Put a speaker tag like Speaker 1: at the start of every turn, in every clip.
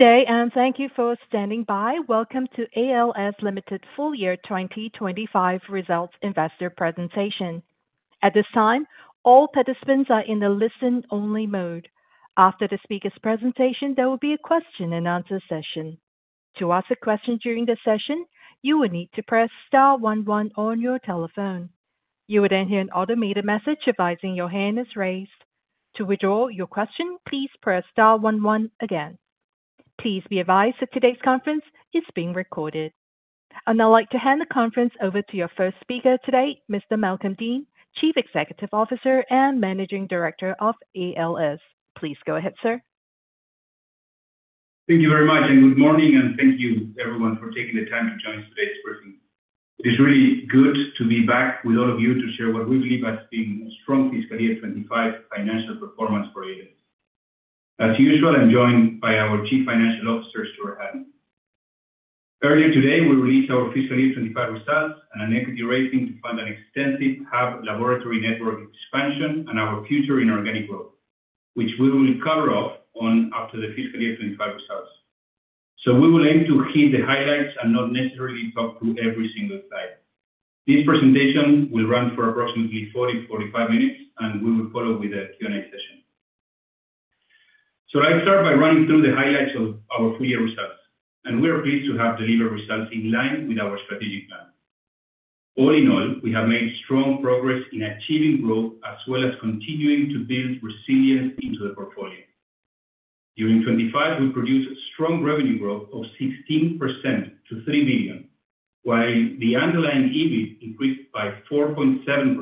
Speaker 1: Today, and thank you for standing by. Welcome to ALS Limited's full-year 2025 results investor presentation. At this time, all participants are in the listen-only mode. After the speaker's presentation, there will be a question-and-answer session. To ask a question during the session, you will need to press star one one on your telephone. You will then hear an automated message advising your hand is raised. To withdraw your question, please press star one one again. Please be advised that today's conference is being recorded. I would like to hand the conference over to your first speaker today, Mr. Malcolm Dean, Chief Executive Officer and Managing Director of ALS. Please go ahead, sir.
Speaker 2: Thank you very much, and good morning, and thank you, everyone, for taking the time to join us for today's briefing. It is really good to be back with all of you to share what we believe has been a strong fiscal year 2025 financial performance for ALS. As usual, I'm joined by our Chief Financial Officer, Stuart Hutton. Earlier today, we released our fiscal year 2025 results and an equity raising to fund an extensive hub laboratory network expansion and our future in organic growth, which we will cover off after the fiscal year 2025 results. We will aim to hit the highlights and not necessarily talk through every single slide. This presentation will run for approximately 40-45 minutes, and we will follow with a Q&A session. Let's start by running through the highlights of our full-year results, and we are pleased to have delivered results in line with our strategic plan. All in all, we have made strong progress in achieving growth as well as continuing to build resilience into the portfolio. During 2025, we produced strong revenue growth of 16% to 3 million, while the underlying EBIT increased by 4.7%,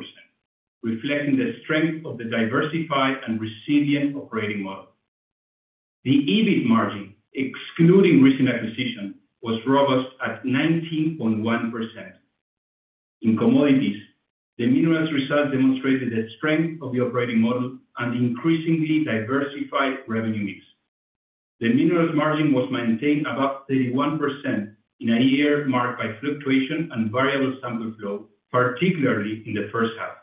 Speaker 2: reflecting the strength of the diversified and resilient operating model. The EBIT margin, excluding recent acquisition, was robust at 19.1%. In commodities, the minerals result demonstrated the strength of the operating model and the increasingly diversified revenue mix. The minerals margin was maintained above 31% in a year marked by fluctuation and variable sample flow, particularly in the first half.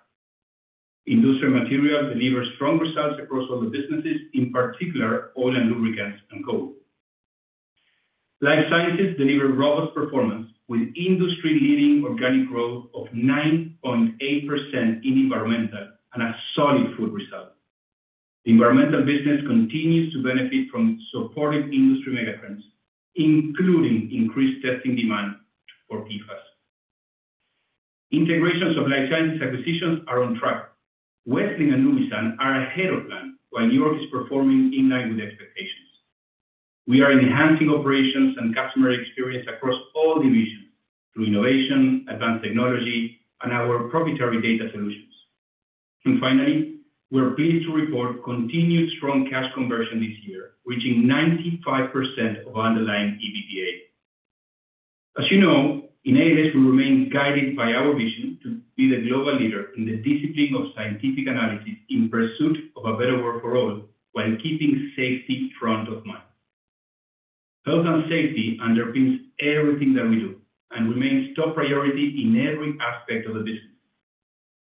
Speaker 2: Industrial materials deliver strong results across all the businesses, in particular oil and lubricants and coal. Life Sciences deliver robust performance with industry-leading organic growth of 9.8% in Environmental and a solid Food result. The Environmental business continues to benefit from supported industry megatrends, including increased testing demand for PFAS. Integration of Life Sciences acquisitions are on track. Vesseling and Nuvisan are ahead of plan, while York is performing in line with expectations. We are enhancing operations and customer experience across all divisions through innovation, advanced technology, and our proprietary data solutions. We are pleased to report continued strong cash conversion this year, reaching 95% of our underlying EBITDA. As you know, in ALS, we remain guided by our vision to be the global leader in the discipline of scientific analysis in pursuit of a better world for all while keeping safety front of mind. Health and safety underpins everything that we do and remains top priority in every aspect of the business.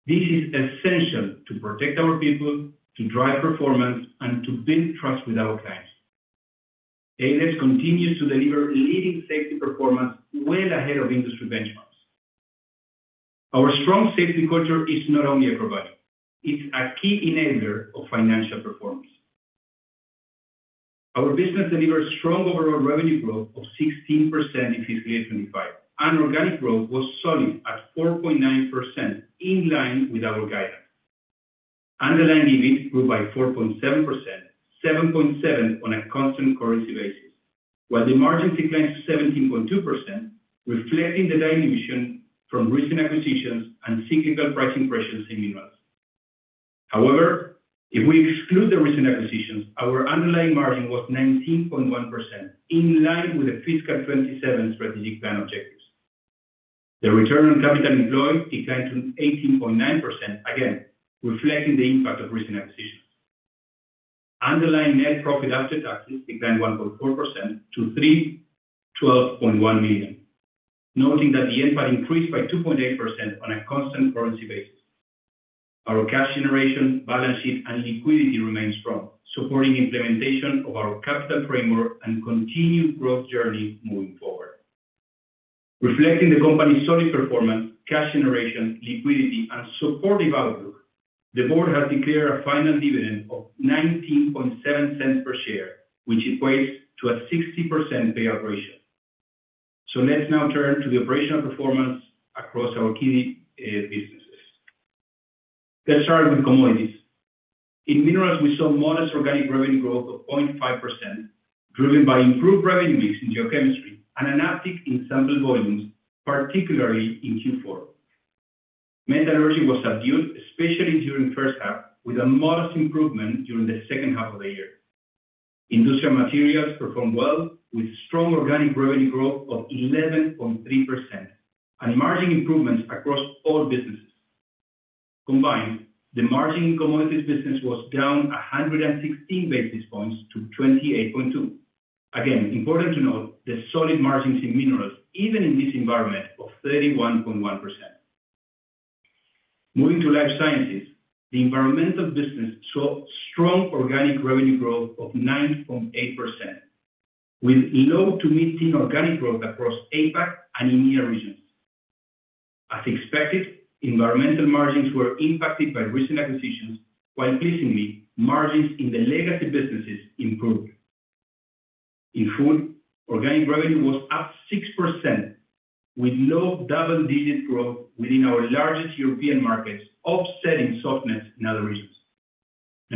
Speaker 2: This is essential to protect our people, to drive performance, and to build trust with our clients. ALS continues to deliver leading safety performance well ahead of industry benchmarks. Our strong safety culture is not only a core value, it's a key enabler of financial performance. Our business delivers strong overall revenue growth of 16% in fiscal year 2025, and organic growth was solid at 4.9% in line with our guidance. Underlying EBIT grew by 4.7%, 7.7% on a constant currency basis, while the margin declined to 17.2%, reflecting the dilution from recent acquisitions and cyclical pricing pressures in minerals. However, if we exclude the recent acquisitions, our underlying margin was 19.1% in line with the fiscal 2027 strategic plan objectives. The return on capital employed declined to 18.9% again, reflecting the impact of recent acquisitions. Underlying net profit after taxes declined 1.4% to 312.1 million, noting that the NPAR increased by 2.8% on a constant currency basis. Our cash generation, balance sheet, and liquidity remain strong, supporting implementation of our capital framework and continued growth journey moving forward. Reflecting the company's solid performance, cash generation, liquidity, and supportive outlook, the board has declared a final dividend of 19.7 per share, which equates to a 60% payout ratio. Let's now turn to the operational performance across our key businesses. Let's start with commodities. In minerals, we saw modest organic revenue growth of 0.5%, driven by improved revenue mix in geochemistry and an uptick in sample volumes, particularly in Q4. Metallurgy was subdued, especially during the first half, with a modest improvement during the second half of the year. Industrial materials performed well with strong organic revenue growth of 11.3% and margin improvements across all businesses. Combined, the margin in commodities business was down 116 basis points to 28.2%. Again, important to note the solid margins in minerals, even in this environment of 31.1%. Moving to life sciences, the environmental business saw strong organic revenue growth of 9.8%, with low to mid-teen organic growth across APAC and EMEA regions. As expected, environmental margins were impacted by recent acquisitions, while pleasingly, margins in the legacy businesses improved. In food, organic revenue was up 6%, with low double-digit growth within our largest European markets, offsetting softness in other regions.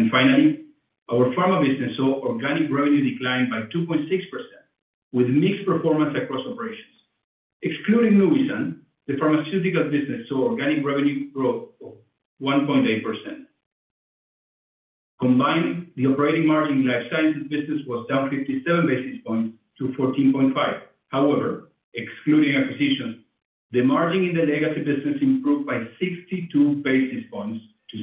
Speaker 2: Finally, our pharma business saw organic revenue decline by 2.6%, with mixed performance across operations. Excluding Nuvisan, the pharmaceutical business saw organic revenue growth of 1.8%. Combined, the operating margin in life sciences business was down 57 basis points to 14.5%. However, excluding acquisitions, the margin in the legacy business improved by 62 basis points to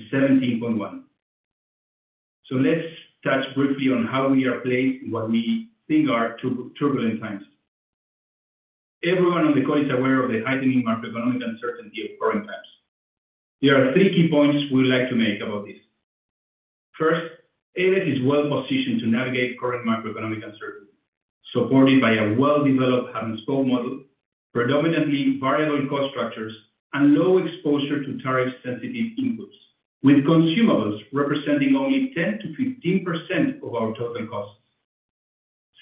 Speaker 2: 17.1%. Let's touch briefly on how we are placed in what we think are turbulent times. Everyone on the call is aware of the heightening macroeconomic uncertainty of current times. There are three key points we would like to make about this. First, ALS is well-positioned to navigate current macroeconomic uncertainty, supported by a well-developed hub-and-spoke model, predominantly variable cost structures, and low exposure to tariff-sensitive inputs, with consumables representing only 10%-15% of our total costs.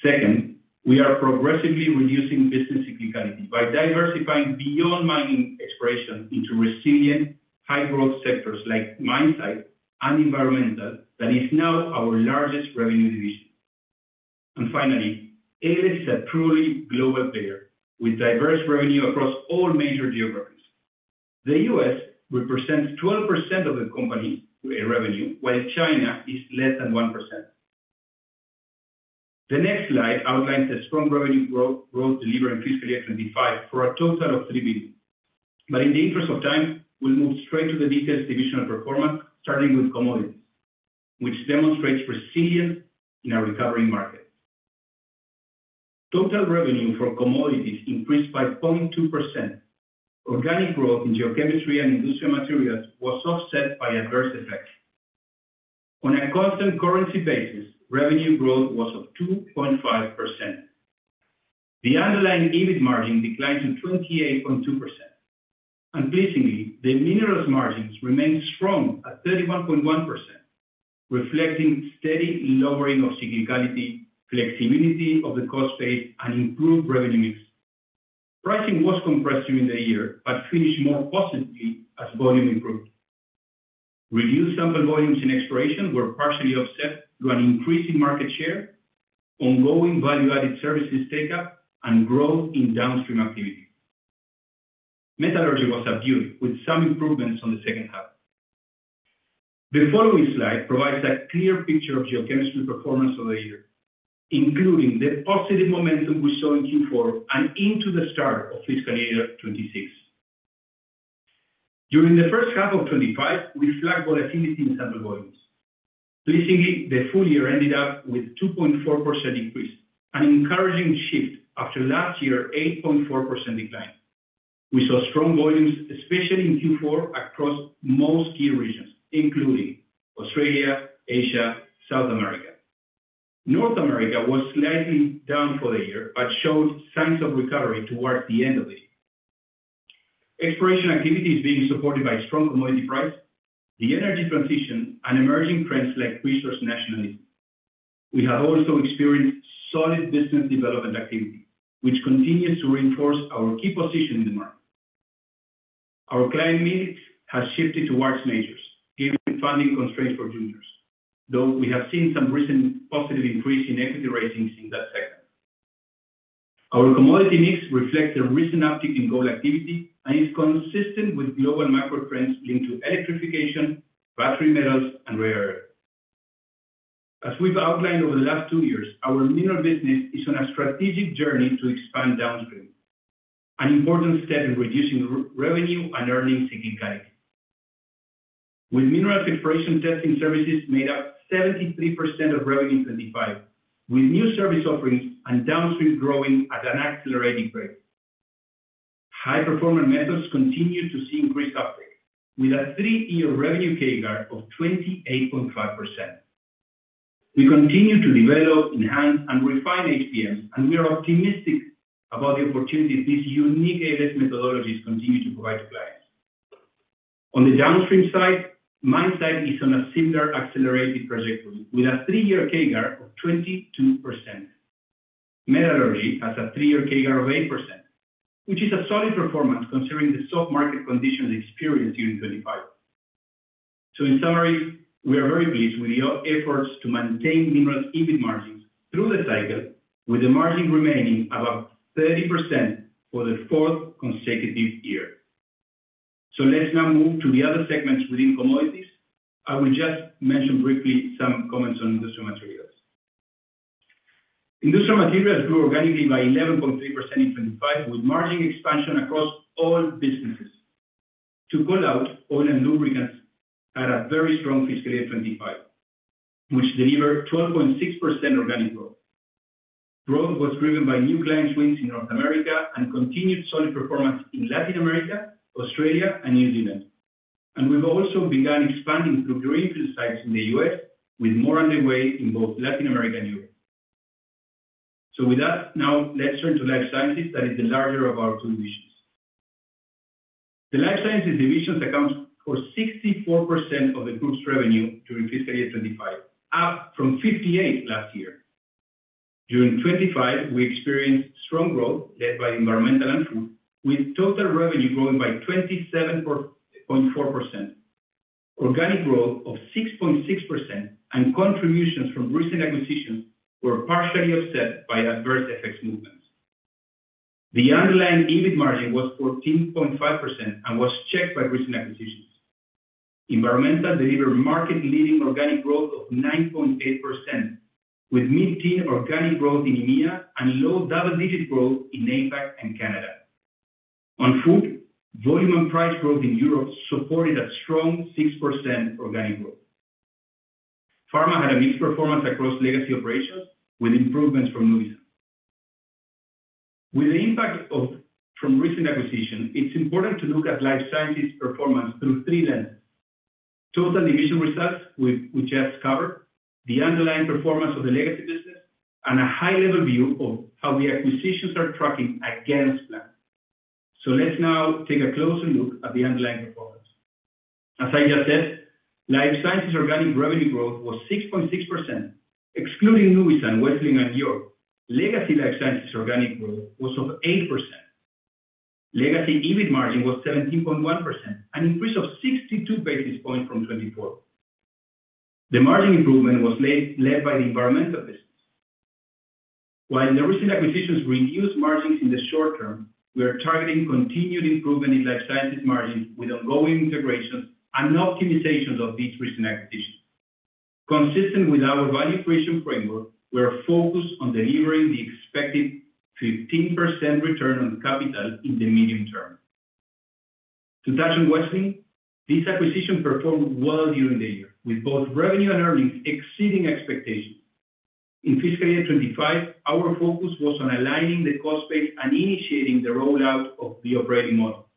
Speaker 2: Second, we are progressively reducing business cyclicality by diversifying beyond mining exploration into resilient high-growth sectors like mine site and environmental that is now our largest revenue division. Finally, ALS is a truly global player with diverse revenue across all major geographies. The U.S. represents 12% of the company's revenue, while China is less than 1%. The next slide outlines the strong revenue growth delivered in fiscal year 2025 for a total of 3 million. In the interest of time, we'll move straight to the details of divisional performance, starting with commodities, which demonstrates resilience in our recovering market. Total revenue for commodities increased by 0.2%. Organic growth in geochemistry and industrial materials was offset by adverse effects. On a constant currency basis, revenue growth was 2.5%. The underlying EBIT margin declined to 28.2%. Pleasingly, the minerals margins remained strong at 31.1%, reflecting steady lowering of cyclicality, flexibility of the cost base, and improved revenue mix. Pricing was compressed during the year but finished more positively as volume improved. Reduced sample volumes in exploration were partially offset through an increase in market share, ongoing value-added services take-up, and growth in downstream activity. Metallurgy was abused, with some improvements on the second half. The following slide provides a clear picture of geochemistry performance over the year, including the positive momentum we saw in Q4 and into the start of fiscal year 2026. During the first half of 2025, we flagged volatility in sample volumes. Pleasingly, the full year ended up with a 2.4% increase, an encouraging shift after last year's 8.4% decline. We saw strong volumes, especially in Q4, across most key regions, including Australia, Asia, and South America. North America was slightly down for the year but showed signs of recovery towards the end of the year. Exploration activity is being supported by strong commodity prices, the energy transition, and emerging trends like resource nationalism. We have also experienced solid business development activity, which continues to reinforce our key position in the market. Our client mix has shifted towards majors, given funding constraints for juniors, though we have seen some recent positive increase in equity ratings in that segment. Our commodity mix reflects the recent uptick in gold activity and is consistent with global macro trends linked to electrification, battery metals, and rare earth. As we've outlined over the last two years, our minerals business is on a strategic journey to expand downstream, an important step in reducing revenue and earnings cyclicality. With minerals exploration testing services made up 73% of revenue in 2025, with new service offerings and downstream growing at an accelerated rate. High-performance metals continue to see increased uptake, with a three-year revenue CAGR of 28.5%. We continue to develop, enhance, and refine HPMs, and we are optimistic about the opportunities these unique ALS methodologies continue to provide to clients. On the downstream side, mine site is on a similar accelerated trajectory with a three-year CAGR of 22%. Metallurgy has a three-year CAGR of 8%, which is a solid performance considering the soft market conditions experienced during 2025. In summary, we are very pleased with your efforts to maintain minerals' EBIT margins through the cycle, with the margin remaining above 30% for the fourth consecutive year. Let's now move to the other segments within commodities. I will just mention briefly some comments on industrial materials. Industrial materials grew organically by 11.3% in 2025, with margin expansion across all businesses. To call out, oil and lubricants had a very strong fiscal year 2025, which delivered 12.6% organic growth. Growth was driven by new client swings in North America and continued solid performance in Latin America, Australia, and New Zealand. We have also begun expanding through greenfield sites in the U.S., with more underway in both Latin America and Europe. With that, now let's turn to life sciences, that is the larger of our two divisions. The life sciences divisions account for 64% of the group's revenue during fiscal year 2025, up from 58% last year. During 2025, we experienced strong growth led by environmental and food, with total revenue growing by 27.4%, organic growth of 6.6%, and contributions from recent acquisitions were partially offset by adverse effects movements. The underlying EBIT margin was 14.5% and was checked by recent acquisitions. Environmental delivered market-leading organic growth of 9.8%, with mid-teen organic growth in EMEA and low double-digit growth in APAC and Canada. On food, volume and price growth in Europe supported a strong 6% organic growth. Pharma had a mixed performance across legacy operations, with improvements from Nuvisan. With the impact from recent acquisitions, it's important to look at life sciences performance through three lenses. Total division results, which we just covered, the underlying performance of the legacy business, and a high-level view of how the acquisitions are tracking against plan. Let's now take a closer look at the underlying performance. As I just said, life sciences organic revenue growth was 6.6%. Excluding Nuvisan, Vesseling, and York, legacy life sciences organic growth was 8%. Legacy EBIT margin was 17.1%, an increase of 62 basis points from 2024. The margin improvement was led by the environmental business. While the recent acquisitions reduced margins in the short term, we are targeting continued improvement in Life Sciences margins with ongoing integrations and optimizations of these recent acquisitions. Consistent with our value creation framework, we are focused on delivering the expected 15% return on capital in the medium term. To touch on Vesseling, this acquisition performed well during the year, with both revenue and earnings exceeding expectations. In fiscal year 2025, our focus was on aligning the cost base and initiating the rollout of the operating model.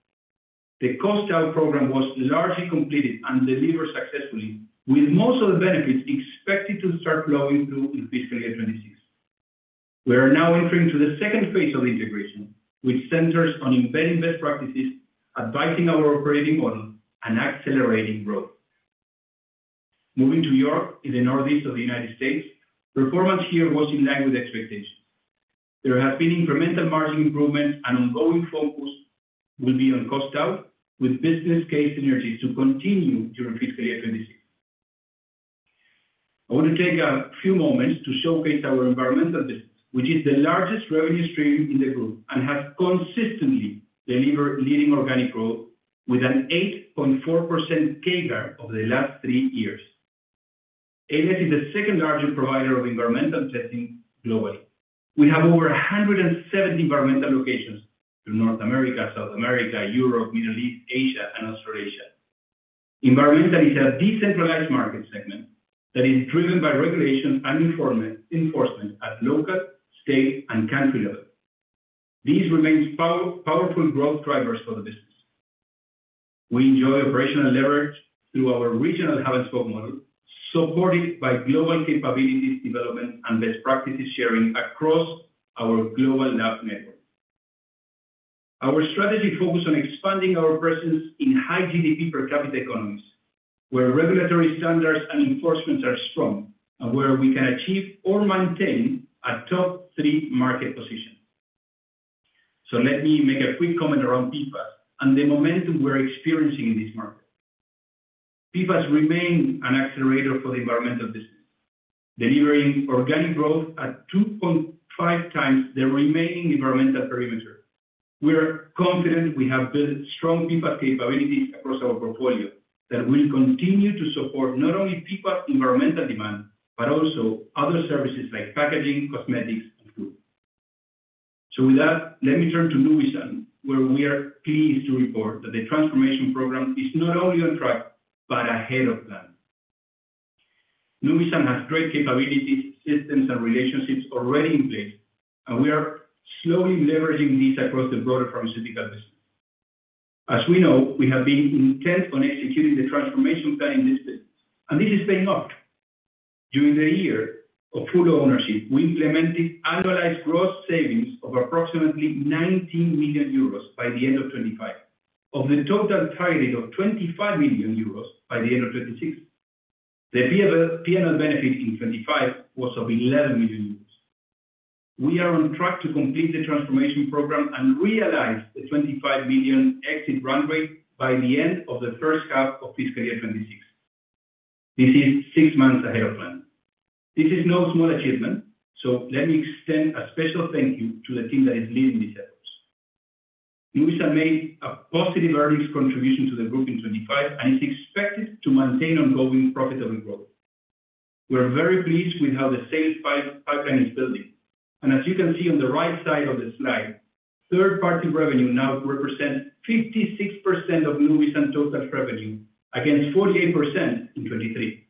Speaker 2: The cost-out program was largely completed and delivered successfully, with most of the benefits expected to start flowing through in fiscal year 2026. We are now entering the second phase of integration, which centers on embedding best practices, advising our operating model, and accelerating growth. Moving to York, in the northeast of the United States, performance here was in line with expectations. There has been incremental margin improvement, and ongoing focus will be on cost-out, with business case synergies to continue during fiscal year 2026. I want to take a few moments to showcase our environmental business, which is the largest revenue stream in the group and has consistently delivered leading organic growth with an 8.4% CAGR over the last three years. ALS is the second-largest provider of environmental testing globally. We have over 170 environmental locations in North America, South America, Europe, the Middle East, Asia, and Australasia. Environmental is a decentralized market segment that is driven by regulation and enforcement at local, state, and country level. These remain powerful growth drivers for the business. We enjoy operational leverage through our regional hub-and-spoke model, supported by global capabilities development and best practices sharing across our global lab network. Our strategy focuses on expanding our presence in high-GDP per capita economies, where regulatory standards and enforcements are strong, and where we can achieve or maintain a top-three market position. Let me make a quick comment around PFAS and the momentum we're experiencing in this market. PFAS remain an accelerator for the environmental business, delivering organic growth at 2.5x the remaining environmental perimeter. We are confident we have built strong PFAS capabilities across our portfolio that will continue to support not only PFAS environmental demand but also other services like packaging, cosmetics, and food. Let me turn to Nuvisan, where we are pleased to report that the transformation program is not only on track but ahead of plan. Nuvisan has great capabilities, systems, and relationships already in place, and we are slowly leveraging these across the broader pharmaceutical business. As we know, we have been intent on executing the transformation plan in this business, and this is paying off. During the year of full ownership, we implemented annualized gross savings of approximately 19 million euros by the end of 2025, of the total target of 25 million euros by the end of 2026. The P&L benefit in 2025 was of 11 million euros. We are on track to complete the transformation program and realize the 25 million exit runway by the end of the first half of fiscal year 2026. This is six months ahead of plan. This is no small achievement, so let me extend a special thank you to the team that is leading these efforts. Nuvisan made a positive earnings contribution to the group in 2025, and it's expected to maintain ongoing profitable growth. We're very pleased with how the sales pipeline is building. As you can see on the right side of the slide, third-party revenue now represents 56% of Nuvisan's total revenue against 48% in 2023.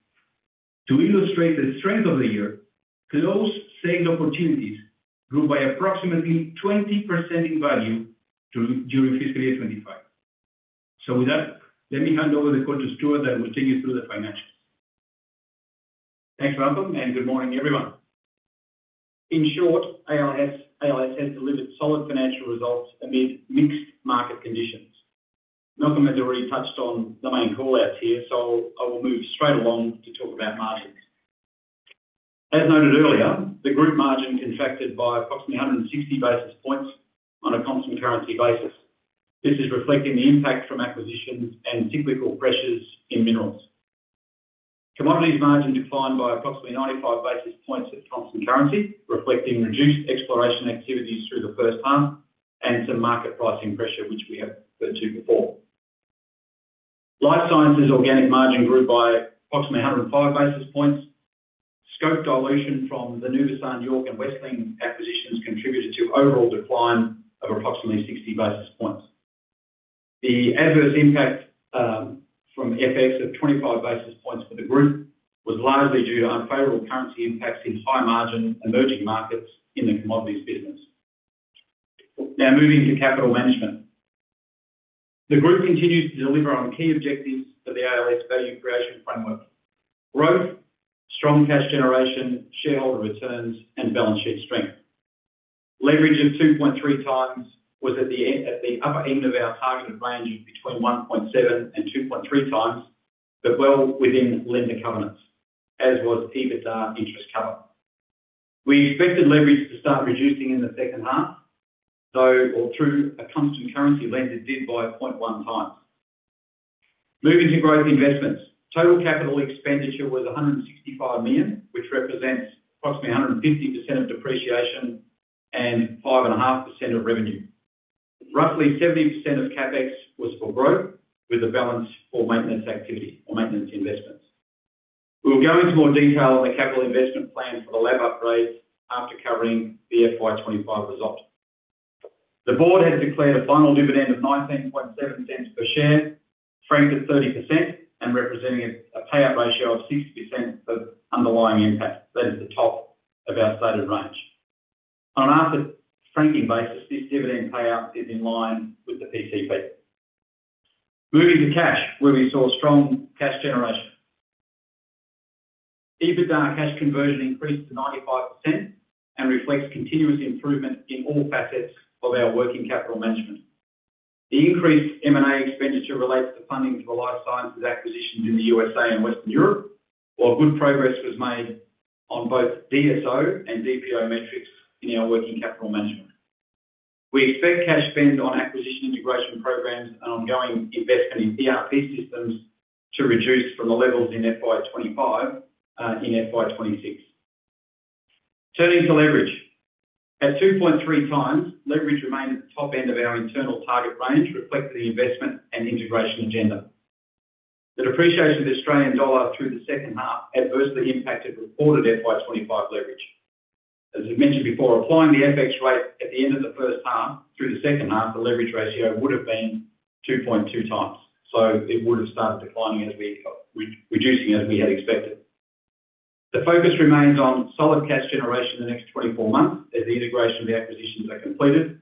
Speaker 2: To illustrate the strength of the year, closed sales opportunities grew by approximately 20% in value during fiscal year 2025. With that, let me hand over the call to Stuart, who will take you through the financials.
Speaker 3: Thanks, Malcolm, and good morning, everyone. In short, ALS has delivered solid financial results amid mixed market conditions. Malcolm has already touched on the main callouts here, so I will move straight along to talk about margins. As noted earlier, the group margin contracted by approximately 160 basis points on a constant currency basis. This reflects the impact from acquisitions and cyclical pressures in minerals. Commodities margin declined by approximately 95 basis points at constant currency, reflecting reduced exploration activities through the first half and some market pricing pressure, which we have referred to before. Life sciences organic margin grew by approximately 105 basis points. Scope dilution from the Nuvisan and Vesseling acquisitions contributed to overall decline of approximately 60 basis points. The adverse impact from FX of 25 basis points for the group was largely due to unfavorable currency impacts in high-margin emerging markets in the commodities business. Now moving to capital management. The group continues to deliver on key objectives for the ALS value creation framework: growth, strong cash generation, shareholder returns, and balance sheet strength. Leverage of 2.3x was at the upper end of our targeted range of between 1.7 and 2.3 times, but well within lender covenants, as was EBITDA interest cover. We expected leverage to start reducing in the second half, though, or through a constant currency lender, did by 0.1 times. Moving to growth investments, total capital expenditure was 165 million, which represents approximately 150% of depreciation and 5.5% of revenue. Roughly 70% of CapEx was for growth, with the balance for maintenance activity or maintenance investments. We'll go into more detail on the capital investment plan for the lab upgrades after covering the FY 2025 result. The board has declared a final dividend of 19.06 per share, franked at 30%, and representing a payout ratio of 60% of underlying impact. That is the top of our stated range. On an after-franking basis, this dividend payout is in line with the PCP. Moving to cash, where we saw strong cash generation. EBITDA cash conversion increased to 95% and reflects continuous improvement in all facets of our working capital management. The increased M&A expenditure relates to funding for life sciences acquisitions in the USA and Western Europe, while good progress was made on both DSO and DPO metrics in our working capital management. We expect cash spend on acquisition integration programs and ongoing investment in ERP systems to reduce from the levels in FY 2025 in FY 2026. Turning to leverage, at 2.3x, leverage remained at the top end of our internal target range, reflecting the investment and integration agenda. The depreciation of the Australian dollar through the second half adversely impacted reported FY 2025 leverage. As I mentioned before, applying the FX rate at the end of the first half through the second half, the leverage ratio would have been 2.2x, so it would have started declining as we were reducing as we had expected. The focus remains on solid cash generation in the next 24 months as the integration of the acquisitions are completed,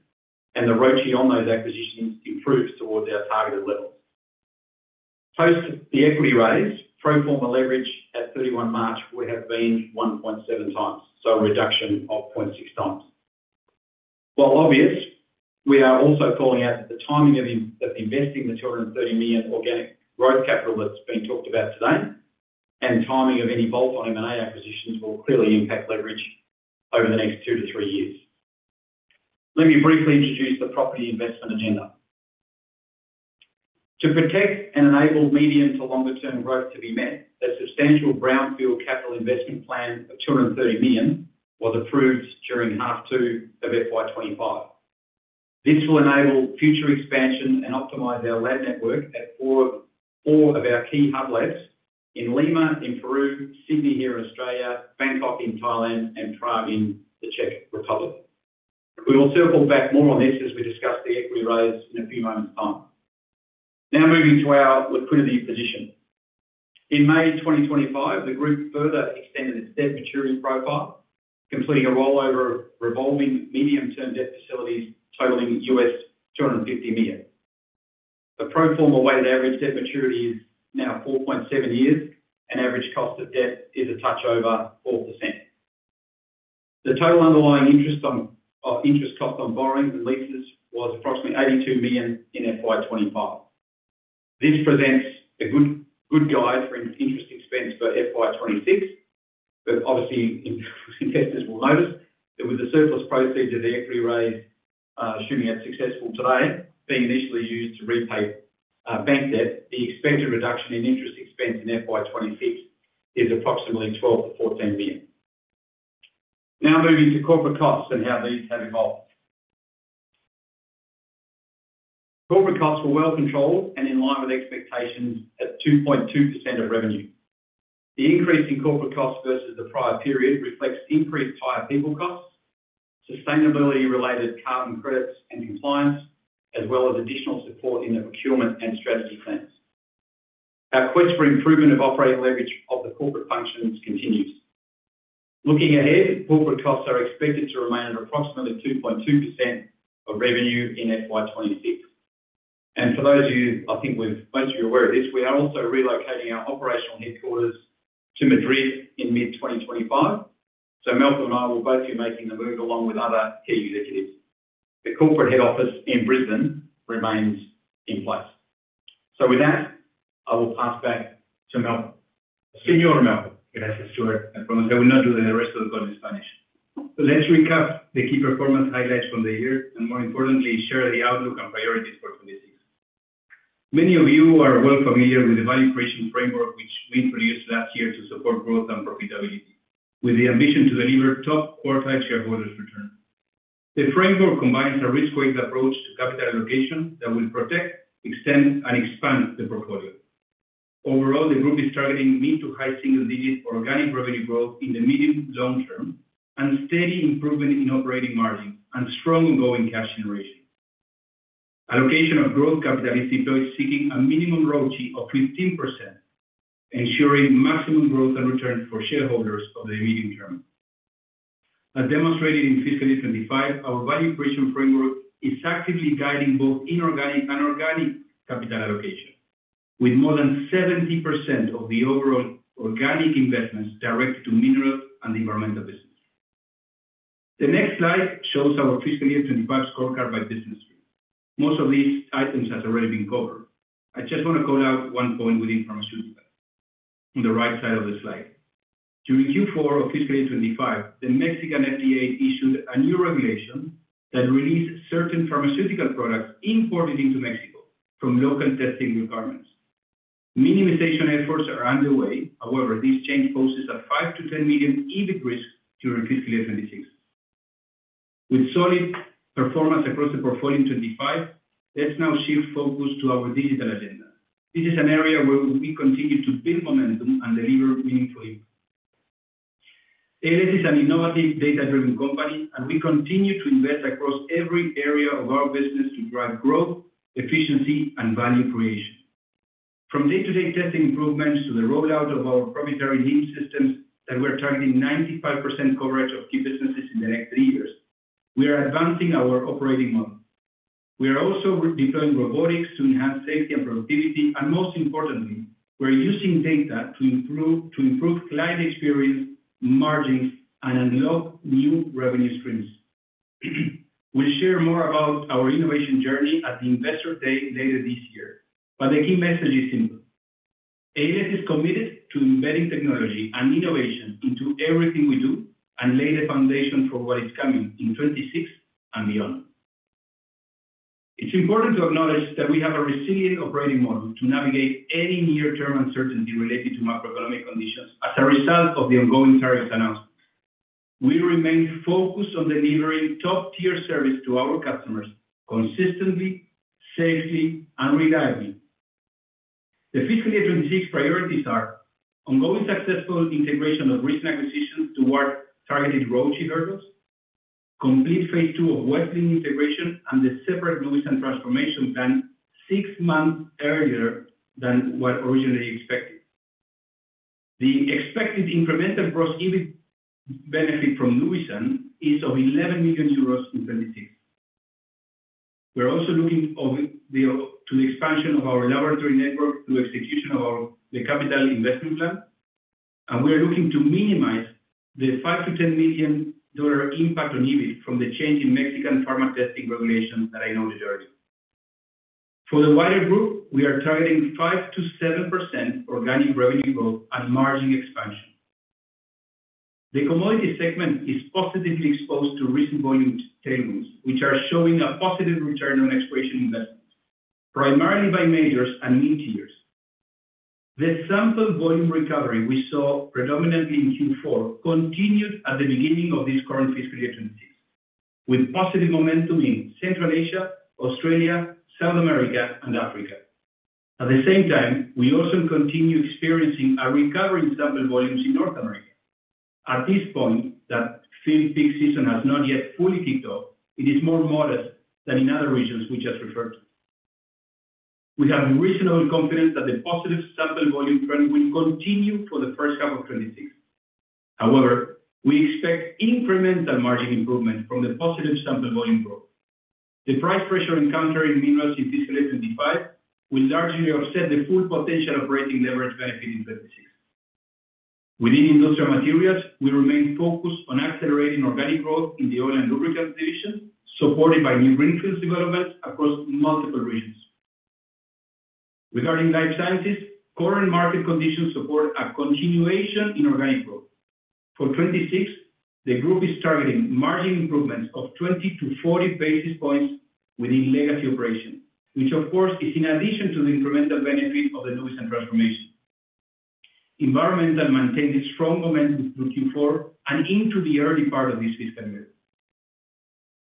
Speaker 3: and the ROCE on those acquisitions improves towards our targeted levels. Post the equity raise, pro forma leverage at 31 March would have been 1.7x, so a reduction of 0.6x. While obvious, we are also calling out that the timing of investing the 230 million organic growth capital that's been talked about today and timing of any bolt-on M&A acquisitions will clearly impact leverage over the next two to three years. Let me briefly introduce the property investment agenda. To protect and enable medium to longer-term growth to be met, a substantial brownfield capital investment plan of 230 million was approved during half two of FY 2025. This will enable future expansion and optimize our lab network at four of our key hub labs in Lima, in Peru, Sydney here in Australia, Bangkok in Thailand, and Prague in the Czech Republic. We will circle back more on this as we discuss the equity raise in a few moments' time. Now moving to our liquidity position. In May 2025, the group further extended its debt maturity profile, completing a rollover of revolving medium-term debt facilities totaling $250 million. The pro forma weighted average debt maturity is now 4.7 years, and average cost of debt is a touch over 4%. The total underlying interest cost on borrowings and leases was approximately 82 million in FY 2025. This presents a good guide for interest expense for FY 2026, but obviously, investors will notice that with the surplus proceeds of the equity raise should be successful today, being initially used to repay bank debt, the expected reduction in interest expense in FY 2026 is approximately 12 million-14 million. Now moving to corporate costs and how these have evolved. Corporate costs were well controlled and in line with expectations at 2.2% of revenue. The increase in corporate costs versus the prior period reflects increased higher people costs, sustainability-related carbon credits and compliance, as well as additional support in the procurement and strategy plans. Our quest for improvement of operating leverage of the corporate functions continues. Looking ahead, corporate costs are expected to remain at approximately 2.2% of revenue in FY 2026. For those of you, I think most of you are aware of this, we are also relocating our operational headquarters to Madrid in mid-2025. Malcolm and I will both be making the move along with other key executives. The corporate head office in Brisbane remains in place. With that, I will pass back to Malcolm. Signor Malcolm.
Speaker 2: Good afternoon, Stuart. I promise I will not do the rest of the call in Spanish. Let's recap the key performance highlights from the year and, more importantly, share the outlook and priorities for 2026. Many of you are well familiar with the value creation framework, which we introduced last year to support growth and profitability, with the ambition to deliver top quartile shareholders' return. The framework combines a risk-weighted approach to capital allocation that will protect, extend, and expand the portfolio. Overall, the group is targeting mid to high single-digit organic revenue growth in the medium-long term and steady improvement in operating margins and strong ongoing cash generation. Allocation of growth capital is deployed seeking a minimum ROCE of 15%, ensuring maximum growth and returns for shareholders over the medium term. As demonstrated in fiscal year 2025, our value creation framework is actively guiding both inorganic and organic capital allocation, with more than 70% of the overall organic investments directed to minerals and the environmental business. The next slide shows our fiscal year 2025 scorecard by business stream. Most of these items have already been covered. I just want to call out one point within pharmaceuticals on the right side of the slide. During Q4 of fiscal year 2025, the Mexican FDA issued a new regulation that released certain pharmaceutical products imported into Mexico from local testing requirements. Minimization efforts are underway. However, this change poses a 5 million-10 million EBIT risk during fiscal year 2026. With solid performance across the portfolio in 2025, let's now shift focus to our digital agenda. This is an area where we continue to build momentum and deliver meaningful impact. ALS is an innovative data-driven company, and we continue to invest across every area of our business to drive growth, efficiency, and value creation. From day-to-day testing improvements to the rollout of our proprietary LEED systems that we are targeting 95% coverage of key businesses in the next three years, we are advancing our operating model. We are also deploying robotics to enhance safety and productivity. Most importantly, we're using data to improve client experience, margins, and unlock new revenue streams. We'll share more about our innovation journey at the Investor Day later this year, but the key message is simple. ALS is committed to embedding technology and innovation into everything we do and lay the foundation for what is coming in 2026 and beyond. It's important to acknowledge that we have a resilient operating model to navigate any near-term uncertainty related to macroeconomic conditions as a result of the ongoing tariffs announcements. We remain focused on delivering top-tier service to our customers consistently, safely, and reliably. The fiscal year 2026 priorities are ongoing successful integration of recent acquisitions toward targeted ROCE hurdles, complete phase two of Vesseling integration, and the separate Nuvisan transformation plan six months earlier than what was originally expected. The expected incremental gross EBIT benefit from Nuvisan is of $11 million in 2026. We're also looking to the expansion of our laboratory network through execution of the capital investment plan. We are looking to minimize the 5 million-10 million dollar impact on EBIT from the change in Mexican pharma testing regulations that I noted earlier. For the wider group, we are targeting 5%-7% organic revenue growth and margin expansion. The commodity segment is positively exposed to recent volume tailwinds, which are showing a positive return on exploration investments, primarily by majors and mid-tiers. The sample volume recovery we saw predominantly in Q4 continued at the beginning of this current fiscal year 2026, with positive momentum in Central Asia, Australia, South America, and Africa. At the same time, we also continue experiencing a recovery in sample volumes in North America. At this point, that full peak season has not yet fully kicked off. It is more modest than in other regions we just referred to. We have reasonable confidence that the positive sample volume trend will continue for the first half of 2026. However, we expect incremental margin improvement from the positive sample volume growth. The price pressure encountering minerals in fiscal year 2025 will largely offset the full potential operating leverage benefit in 2026. Within industrial materials, we remain focused on accelerating organic growth in the oil and lubricant division, supported by new greenfield developments across multiple regions. Regarding life sciences, current market conditions support a continuation in organic growth. For 2026, the group is targeting margin improvements of 20-40 basis points within legacy operations, which, of course, is in addition to the incremental benefit of the Nuvisan transformation. Environmental maintained its strong momentum through Q4 and into the early part of this fiscal year.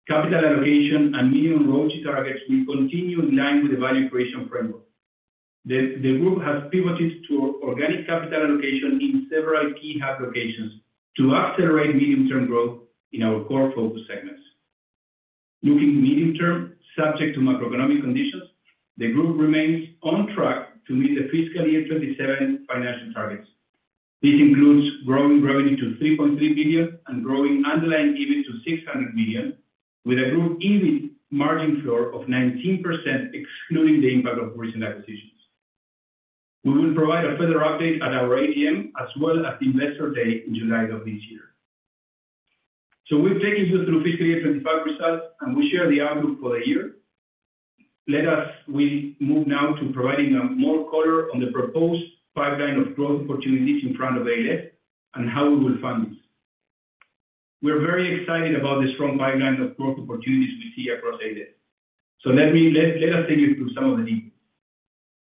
Speaker 2: Capital allocation and minimum ROCE targets will continue in line with the value creation framework. The group has pivoted to organic capital allocation in several key hub locations to accelerate medium-term growth in our core focus segments. Looking medium-term, subject to macroeconomic conditions, the group remains on track to meet the fiscal year 2027 financial targets. This includes growing revenue to 3.3 billion and growing underlying EBIT to 600 million, with a group EBIT margin floor of 19%, excluding the impact of recent acquisitions. We will provide a further update at our ATM, as well as the Investor Day in July of this year. We have taken you through fiscal year 2025 results, and we share the outlook for the year. Let us move now to providing more color on the proposed pipeline of growth opportunities in front of ALS and how we will fund this. We are very excited about the strong pipeline of growth opportunities we see across ALS. Let us take you through some of the details.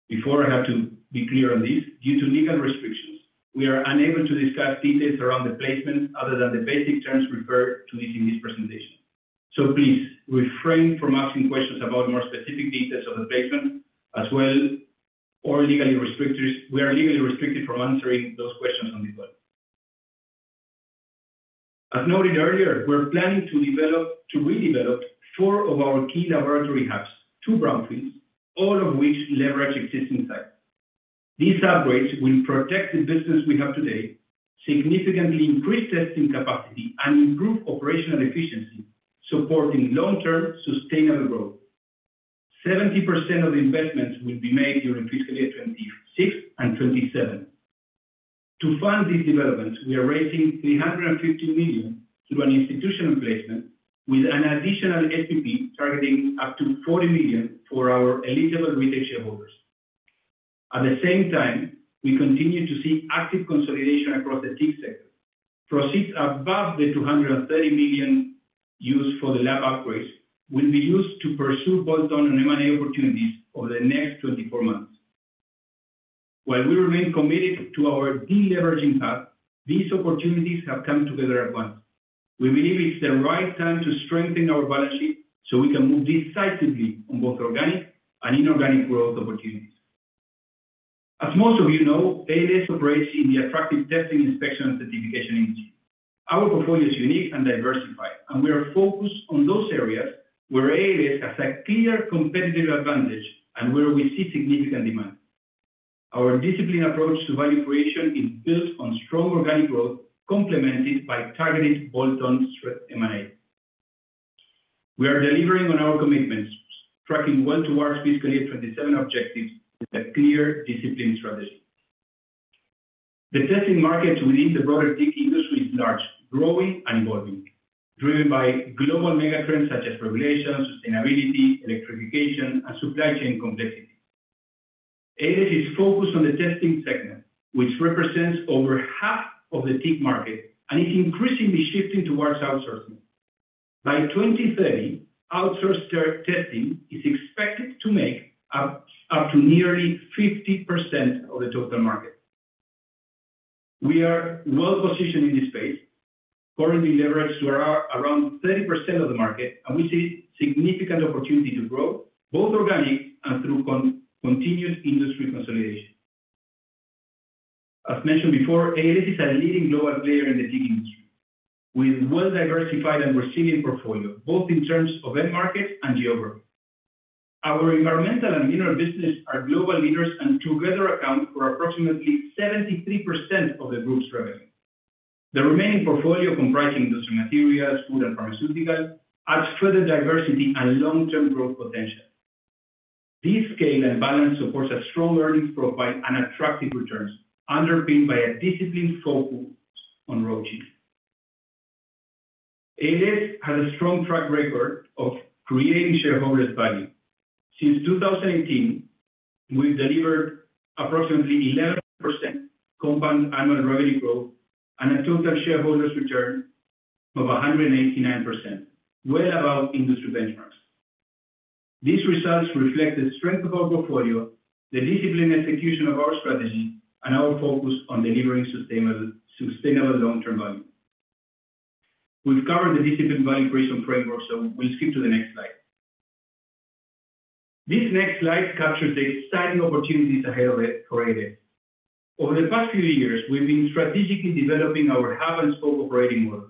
Speaker 2: Before, I have to be clear on this, due to legal restrictions, we are unable to discuss details around the placement other than the basic terms referred to in this presentation. Please refrain from asking questions about more specific details of the placement as well. We are legally restricted from answering those questions on this one. As noted earlier, we're planning to redevelop four of our key laboratory hubs, two brownfields, all of which leverage existing sites. These upgrades will protect the business we have today, significantly increase testing capacity, and improve operational efficiency, supporting long-term sustainable growth. 70% of the investments will be made during fiscal year 2026 and 2027. To fund these developments, we are raising 350 million through an institutional placement with an additional SPP targeting up to 40 million for our eligible retail shareholders. At the same time, we continue to see active consolidation across the tech sector. Proceeds above the 230 million used for the lab upgrades will be used to pursue bolt-on and M&A opportunities over the next 24 months. While we remain committed to our de-leveraging path, these opportunities have come together at once. We believe it's the right time to strengthen our balance sheet so we can move decisively on both organic and inorganic growth opportunities. As most of you know, ALS operates in the attractive testing, inspection, and certification industry. Our portfolio is unique and diversified, and we are focused on those areas where ALS has a clear competitive advantage and where we see significant demand. Our disciplined approach to value creation is built on strong organic growth, complemented by targeted bolt-on M&A. We are delivering on our commitments, tracking well towards fiscal year 2027 objectives with a clear disciplined strategy. The testing market within the broader tech industry is large, growing, and evolving, driven by global megatrends such as regulation, sustainability, electrification, and supply chain complexity. ALS is focused on the testing segment, which represents over half of the tech market, and it's increasingly shifting towards outsourcing. By 2030, outsourced testing is expected to make up to nearly 50% of the total market. We are well positioned in this space, currently leveraged to around 30% of the market, and we see significant opportunity to grow both organic and through continued industry consolidation. As mentioned before, ALS is a leading global player in the tech industry with a well-diversified and resilient portfolio, both in terms of end markets and geography. Our environmental and minerals business are global leaders and together account for approximately 73% of the group's revenue. The remaining portfolio, comprising industrial materials, food, and pharmaceuticals, adds further diversity and long-term growth potential. This scale and balance supports a strong earnings profile and attractive returns, underpinned by a disciplined focus on ROCE. ALS has a strong track record of creating shareholders' value. Since 2018, we've delivered approximately 11% compound annual revenue growth and a total shareholders' return of 189%, well above industry benchmarks. These results reflect the strength of our portfolio, the disciplined execution of our strategy, and our focus on delivering sustainable long-term value. We've covered the disciplined value creation framework, so we'll skip to the next slide. This next slide captures the exciting opportunities ahead for ALS. Over the past few years, we've been strategically developing our hub-and-spoke operating model,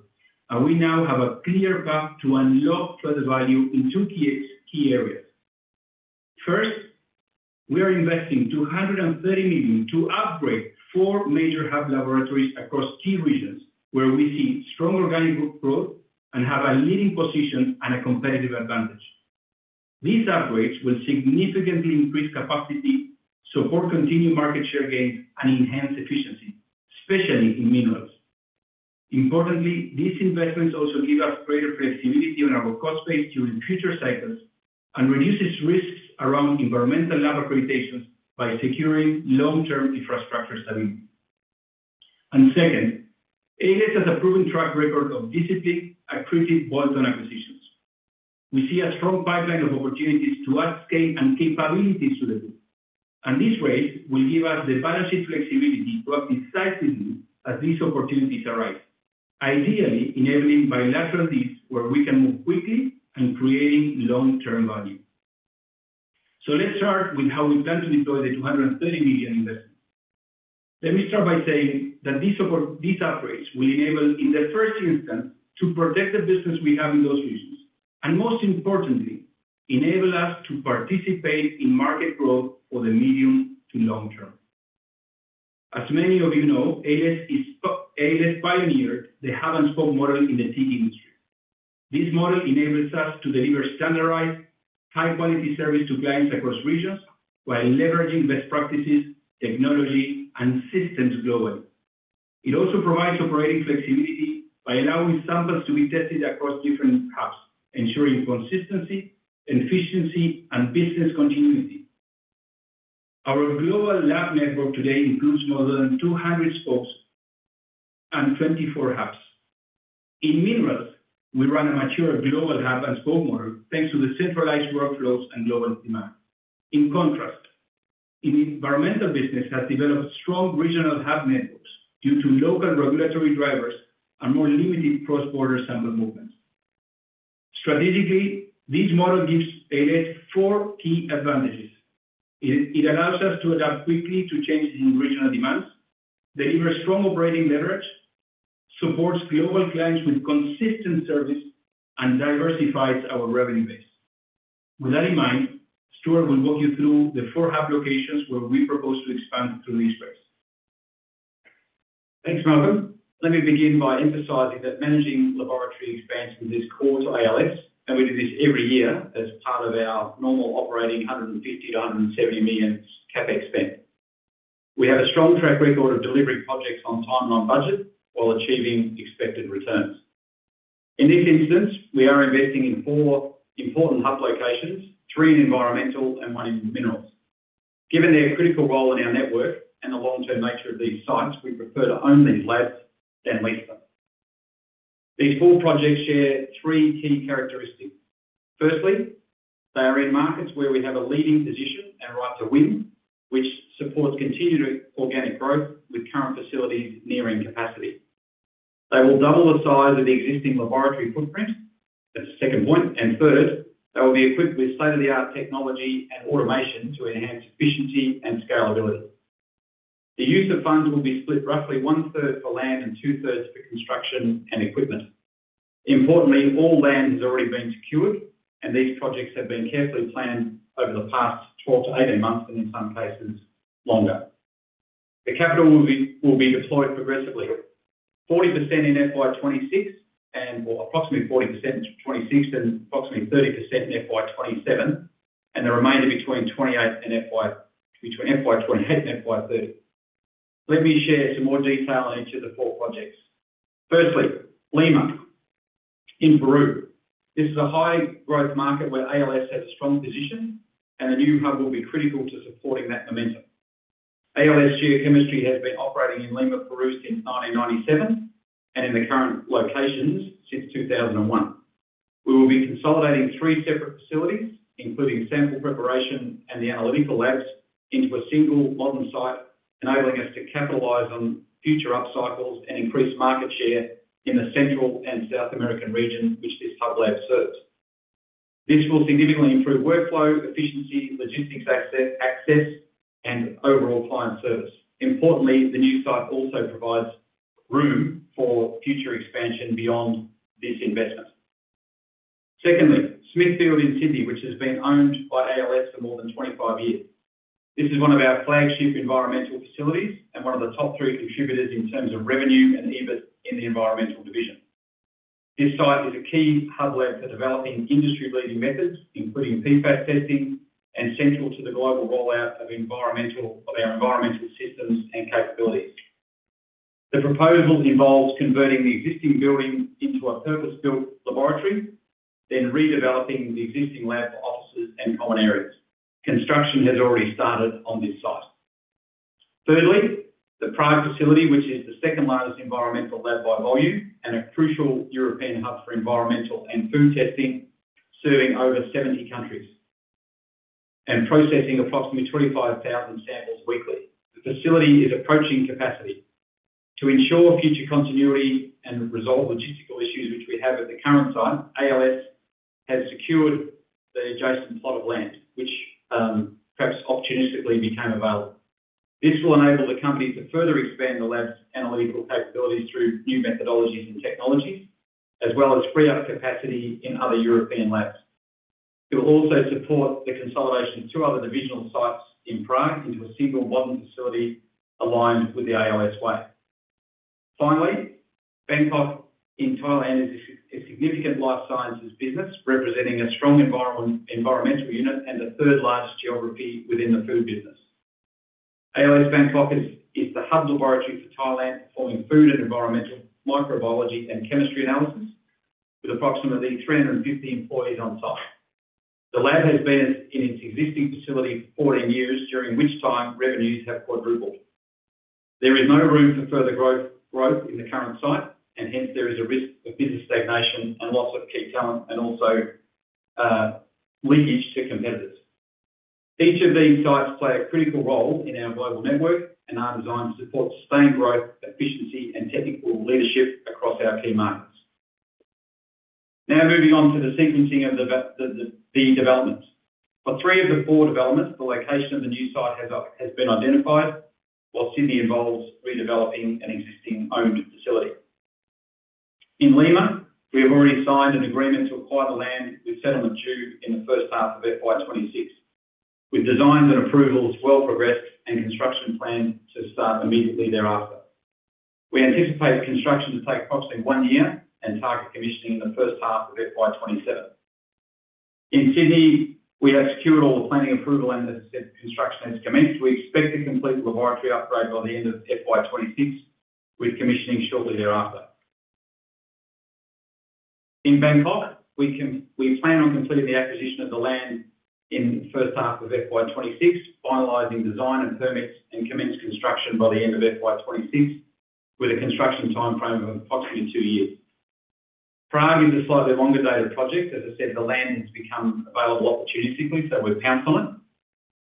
Speaker 2: and we now have a clear path to unlock further value in two key areas. First, we are investing 230 million to upgrade four major hub laboratories across key regions where we see strong organic growth and have a leading position and a competitive advantage. These upgrades will significantly increase capacity, support continued market share gains, and enhance efficiency, especially in minerals. Importantly, these investments also give us greater flexibility on our cost base during future cycles and reduce risks around environmental lab accreditations by securing long-term infrastructure stability. Second, ALS has a proven track record of disciplined, accredited bolt-on acquisitions. We see a strong pipeline of opportunities to add scale and capabilities to the group. This rate will give us the balance sheet flexibility to act decisively as these opportunities arise, ideally enabling bilateral deals where we can move quickly and create long-term value. Let's start with how we plan to deploy the 230 million investment. Let me start by saying that these upgrades will enable, in the first instance, to protect the business we have in those regions, and most importantly, enable us to participate in market growth for the medium to long term. As many of you know, ALS pioneered the hub-and-spoke model in the tech industry. This model enables us to deliver standardized, high-quality service to clients across regions while leveraging best practices, technology, and systems globally. It also provides operating flexibility by allowing samples to be tested across different hubs, ensuring consistency, efficiency, and business continuity. Our global lab network today includes more than 200 spokes and 24 hubs. In minerals, we run a mature global hub-and-spoke model thanks to the centralized workflows and global demand. In contrast, in environmental business, we have developed strong regional hub networks due to local regulatory drivers and more limited cross-border sample movements. Strategically, this model gives ALS four key advantages. It allows us to adapt quickly to changes in regional demands, delivers strong operating leverage, supports global clients with consistent service, and diversifies our revenue base. With that in mind, Stuart will walk you through the four hub locations where we propose to expand through this space.
Speaker 3: Thanks, Malcolm. Let me begin by emphasizing that managing laboratory expense is core to ALS, and we do this every year as part of our normal operating 150 million-170 million CapEx. We have a strong track record of delivering projects on time and on budget while achieving expected returns. In this instance, we are investing in four important hub locations, three in environmental and one in minerals. Given their critical role in our network and the long-term nature of these sites, we prefer to own these labs than lease them. These four projects share three key characteristics. Firstly, they are in markets where we have a leading position and right to win, which supports continued organic growth with current facilities nearing capacity. They will double the size of the existing laboratory footprint. That is the second point. Third, they will be equipped with state-of-the-art technology and automation to enhance efficiency and scalability. The use of funds will be split roughly one-third for land and two-thirds for construction and equipment. Importantly, all land has already been secured, and these projects have been carefully planned over the past 12-18 months and in some cases longer. The capital will be deployed progressively, 40% in FY 2026 and approximately 30% in FY 2027, and the remainder between FY 2028 and FY 2030. Let me share some more detail on each of the four projects. Firstly, Lima, in Peru. This is a high-growth market where ALS has a strong position, and the new hub will be critical to supporting that momentum. ALS Geochemistry has been operating in Lima, Peru since 1997 and in the current locations since 2001. We will be consolidating three separate facilities, including sample preparation and the analytical labs, into a single modern site, enabling us to capitalize on future upcycles and increase market share in the Central and South American region, which this hub lab serves. This will significantly improve workflow, efficiency, logistics access, and overall client service. Importantly, the new site also provides room for future expansion beyond this investment. Secondly, Smithfield in Sydney, which has been owned by ALS for more than 25 years. This is one of our flagship environmental facilities and one of the top three contributors in terms of revenue and EBIT in the environmental division. This site is a key hub lab for developing industry-leading methods, including PFAS testing, and central to the global rollout of our environmental systems and capabilities. The proposal involves converting the existing building into a purpose-built laboratory, then redeveloping the existing lab for offices and common areas. Construction has already started on this site. Thirdly, the Prague facility, which is the second-largest environmental lab by volume and a crucial European hub for environmental and food testing, serving over 70 countries and processing approximately 25,000 samples weekly. The facility is approaching capacity. To ensure future continuity and resolve logistical issues which we have at the current site, ALS has secured the adjacent plot of land, which perhaps opportunistically became available. This will enable the company to further expand the lab's analytical capabilities through new methodologies and technologies, as well as free up capacity in other European labs. It will also support the consolidation of two other divisional sites in Prague into a single modern facility aligned with the ALS way. Finally, Bangkok in Thailand is a significant life sciences business, representing a strong environmental unit and the third-largest geography within the food business. ALS Bangkok is the hub laboratory for Thailand, performing food and environmental microbiology and chemistry analysis with approximately 350 employees on site. The lab has been in its existing facility for 14 years, during which time revenues have quadrupled. There is no room for further growth in the current site, and hence there is a risk of business stagnation and loss of key talent and also leakage to competitors. Each of these sites plays a critical role in our global network and are designed to support sustained growth, efficiency, and technical leadership across our key markets. Now moving on to the sequencing of the developments. For three of the four developments, the location of the new site has been identified, while Sydney involves redeveloping an existing owned facility. In Lima, we have already signed an agreement to acquire the land with settlement due in the first half of FY 2026, with designs and approvals well progressed and construction planned to start immediately thereafter. We anticipate construction to take approximately one year and target commissioning in the first half of FY 2027. In Sydney, we have secured all the planning approval and the construction has commenced. We expect to complete the laboratory upgrade by the end of FY 2026, with commissioning shortly thereafter. In Bangkok, we plan on completing the acquisition of the land in the first half of FY 2026, finalizing design and permits, and commence construction by the end of FY 2026, with a construction timeframe of approximately two years. Prague is a slightly longer-dated project. As I said, the land has become available opportunistically, so we've pounced on it.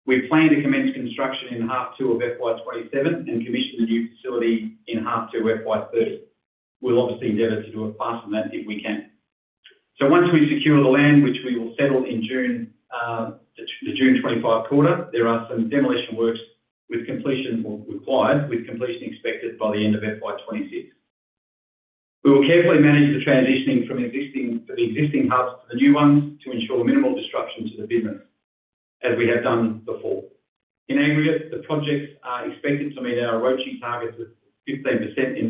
Speaker 3: We plan to commence construction in half two of FY 2027 and commission the new facility in half two of FY 2030. We'll obviously endeavor to do it faster than that if we can. Once we secure the land, which we will settle in June, the June 2025 quarter, there are some demolition works with completion required, with completion expected by the end of FY2026. We will carefully manage the transitioning from the existing hubs to the new ones to ensure minimal disruption to the business, as we have done before. In aggregate, the projects are expected to meet our ROCE target of 15% in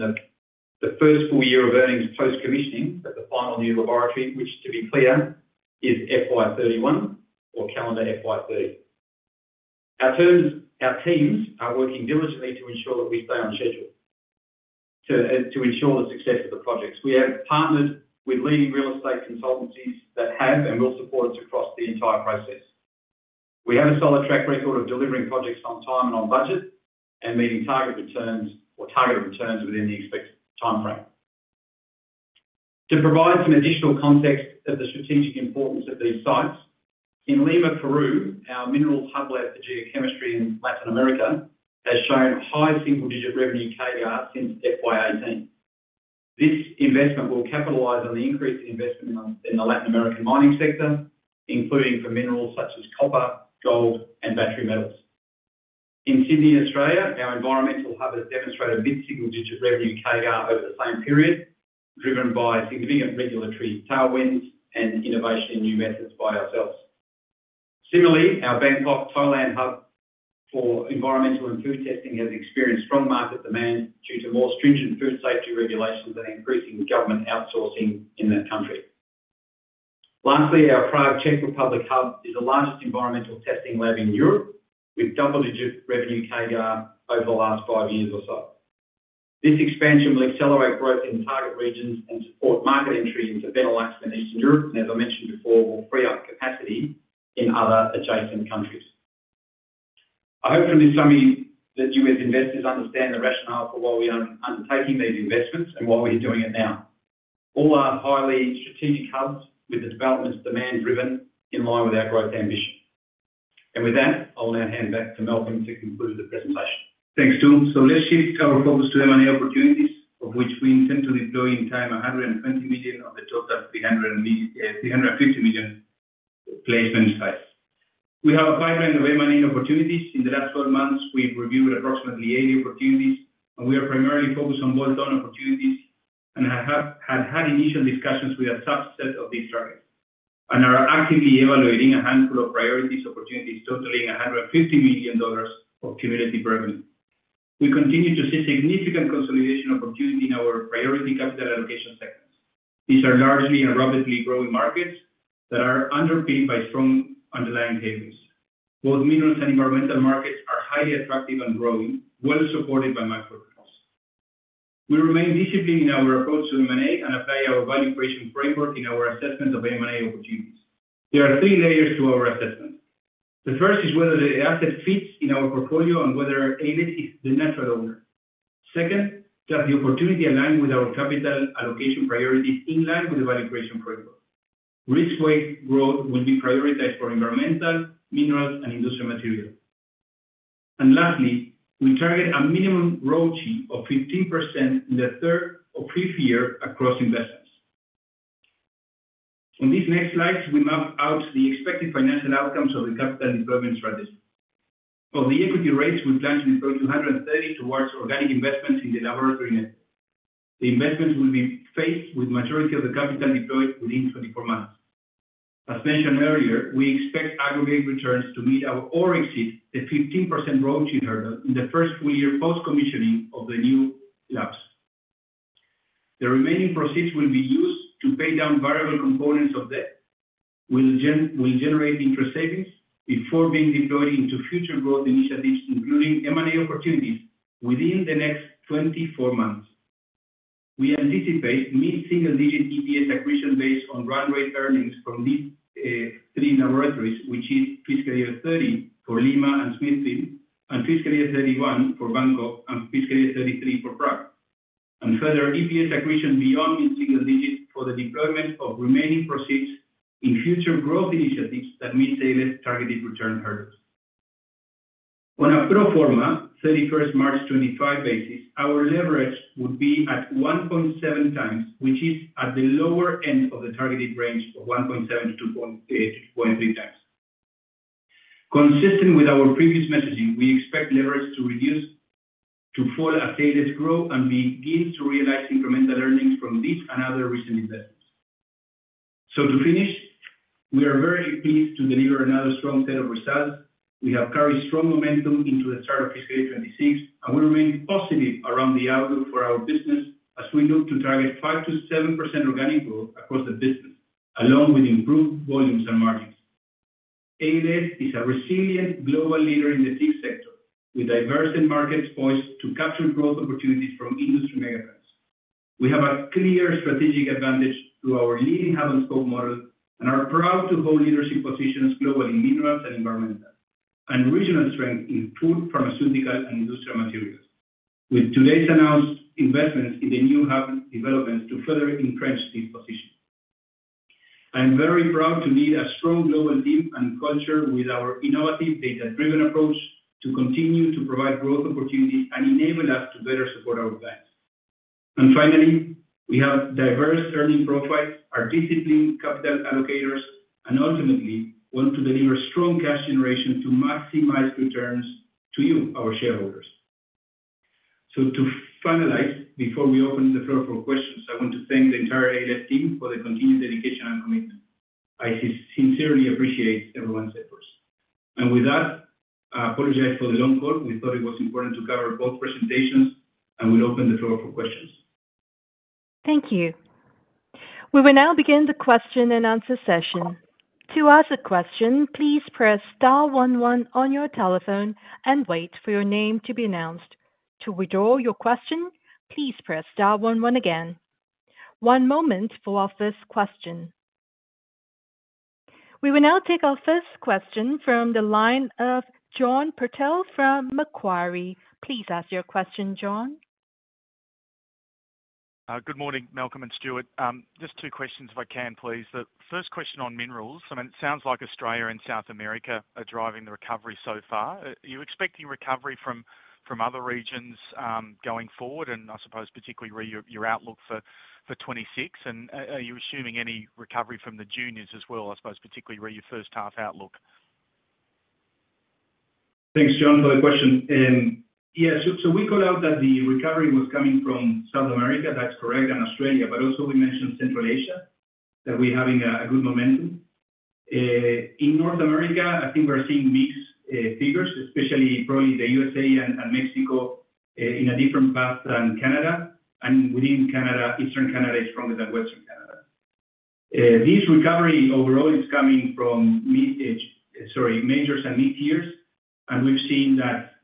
Speaker 3: the first full year of earnings post-commissioning at the final new laboratory, which, to be clear, is FY2031 or calendar FY2030. Our teams are working diligently to ensure that we stay on schedule to ensure the success of the projects. We have partnered with leading real estate consultancies that have and will support us across the entire process. We have a solid track record of delivering projects on time and on budget and meeting target returns or targeted returns within the expected timeframe. To provide some additional context of the strategic importance of these sites, in Lima, Peru, our minerals hub lab for geochemistry in Latin America has shown high single-digit revenue KDR since FY 2018. This investment will capitalize on the increased investment in the Latin American mining sector, including for minerals such as copper, gold, and battery metals. In Sydney, Australia, our environmental hub has demonstrated mid-single-digit revenue KDR over the same period, driven by significant regulatory tailwinds and innovation in new methods by ourselves. Similarly, our Bangkok, Thailand hub for environmental and food testing has experienced strong market demand due to more stringent food safety regulations and increasing government outsourcing in that country. Lastly, our Prague, Czech Republic hub is the largest environmental testing lab in Europe, with double-digit revenue CAGR over the last five years or so. This expansion will accelerate growth in target regions and support market entry into Benelux and Eastern Europe, and as I mentioned before, will free up capacity in other adjacent countries. I hope from this summary that you as investors understand the rationale for why we are undertaking these investments and why we are doing it now. All are highly strategic hubs with the development demand driven in line with our growth ambition. With that, I'll now hand back to Malcolm to conclude the presentation.
Speaker 2: Thanks, Stuart. Let's shift our focus to M&A opportunities, of which we intend to deploy in time 120 million of the total 350 million placement space. We have a pipeline of M&A opportunities. In the last 12 months, we've reviewed approximately 80 opportunities, and we are primarily focused on bolt-on opportunities and have had initial discussions with a subset of these targets and are actively evaluating a handful of priority opportunities totaling $150 million of cumulative revenue. We continue to see significant consolidation opportunity in our priority capital allocation segments. These are largely and rapidly growing markets that are underpinned by strong underlying behaviors. Both minerals and environmental markets are highly attractive and growing, well supported by microchips. We remain disciplined in our approach to M&A and apply our value creation framework in our assessment of M&A opportunities. There are three layers to our assessment. The first is whether the asset fits in our portfolio and whether ALS is the natural owner. Second, does the opportunity align with our capital allocation priorities in line with the value creation framework? Risk-weighted growth will be prioritized for environmental, minerals, and industrial materials. Lastly, we target a minimum ROCE of 15% in the third or fifth year across investments. On these next slides, we map out the expected financial outcomes of the capital deployment strategy. Of the equity raised, we plan to deploy 230 million towards organic investments in the laboratory network. The investments will be phased with the majority of the capital deployed within 24 months. As mentioned earlier, we expect aggregate returns to meet or exceed the 15% ROCE hurdle in the first full year post-commissioning of the new labs. The remaining proceeds will be used to pay down variable components of debt. We'll generate interest savings before being deployed into future growth initiatives, including M&A opportunities within the next 24 months. We anticipate mid-single-digit EPS accretion based on run rate earnings from these three laboratories, which is fiscal year 2030 for Lima and Smithfield, fiscal year 2031 for Bangkok, and fiscal year 2033 for Prague. Further, EPS accretion beyond mid-single digit for the deployment of remaining proceeds in future growth initiatives that meet ALS targeted return hurdles. On a pro forma, 31st March 2025 basis, our leverage would be at 1.7x, which is at the lower end of the targeted range of 1.7-2.3x. Consistent with our previous messaging, we expect leverage to reduce to fall as ALS grow and begins to realize incremental earnings from these and other recent investments. To finish, we are very pleased to deliver another strong set of results. We have carried strong momentum into the start of fiscal year 2026, and we remain positive around the outlook for our business as we look to target 5%-7% organic growth across the business, along with improved volumes and margins. ALS is a resilient global leader in the testing sector, with diverse markets poised to capture growth opportunities from industry megatrends. We have a clear strategic advantage through our leading hub-and-spoke model and are proud to hold leadership positions globally in minerals and environmental and regional strength in food, pharmaceutical, and industrial materials, with today's announced investments in the new hub developments to further entrench these positions. I am very proud to lead a strong global team and culture with our innovative data-driven approach to continue to provide growth opportunities and enable us to better support our clients. Finally, we have diverse earning profiles, are disciplined capital allocators, and ultimately want to deliver strong cash generation to maximize returns to you, our shareholders. To finalize, before we open the floor for questions, I want to thank the entire ALS team for the continued dedication and commitment. I sincerely appreciate everyone's efforts. With that, I apologize for the long call. We thought it was important to cover both presentations, and we'll open the floor for questions.
Speaker 1: Thank you. We will now begin the question and answer session. To ask a question, please press star one one on your telephone and wait for your name to be announced. To withdraw your question, please press star one one again. One moment for our first question. We will now take our first question from the line of John Purtell from Macquarie. Please ask your question, John.
Speaker 4: Good morning, Malcolm and Stuart. Just two questions, if I can, please. The first question on minerals, I mean, it sounds like Australia and South America are driving the recovery so far. Are you expecting recovery from other regions going forward? I suppose, particularly your outlook for 2026. Are you assuming any recovery from the juniors as well, I suppose, particularly your first half outlook?
Speaker 2: Thanks, John, for the question. Yeah, we called out that the recovery was coming from South America. That is correct, and Australia, but also we mentioned Central Asia that we are having good momentum. In North America, I think we are seeing mixed figures, especially probably the USA and Mexico on a different path than Canada. Within Canada, Eastern Canada is stronger than Western Canada. This recovery overall is coming from majors and mid-years, and we've seen that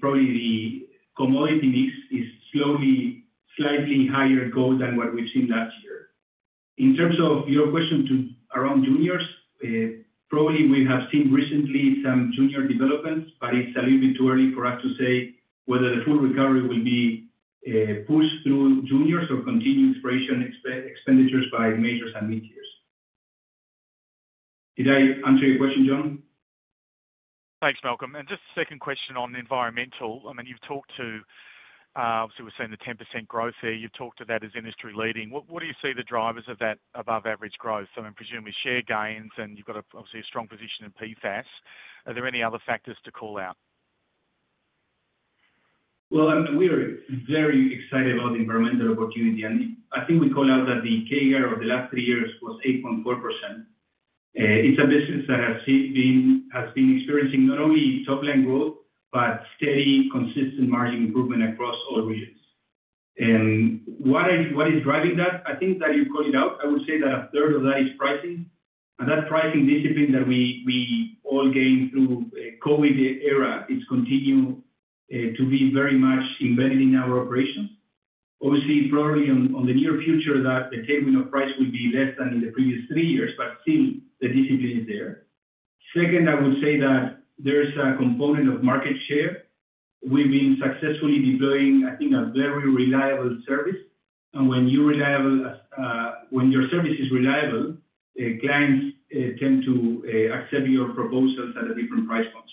Speaker 2: probably the commodity mix is slowly slightly higher gold than what we've seen last year. In terms of your question around juniors, probably we have seen recently some junior developments, but it's a little bit too early for us to say whether the full recovery will be pushed through juniors or continued expenditures by majors and mid-years. Did I answer your ques
Speaker 4: tion, John? Thanks, Malcolm. Just a second question on the environmental. I mean, you've talked to, obviously, we're seeing the 10% growth here. You've talked to that as industry leading. What do you see the drivers of that above-average growth? I mean, presumably share gains, and you've got obviously a strong position in PFAS. Are there any other factors to call out?
Speaker 2: I mean, we are very excited about the environmental opportunity, and I think we called out that the KDR of the last three years was 8.4%. It is a business that has been experiencing not only top-line growth but steady, consistent margin improvement across all regions. What is driving that? I think that you called it out. I would say that a third of that is pricing, and that pricing discipline that we all gained through the COVID era is continuing to be very much embedded in our operations. Obviously, probably in the near future, the tailwind of price will be less than in the previous three years, but still, the discipline is there. Second, I would say that there is a component of market share. We've been successfully deploying, I think, a very reliable service, and when your service is reliable, clients tend to accept your proposals at a different price point.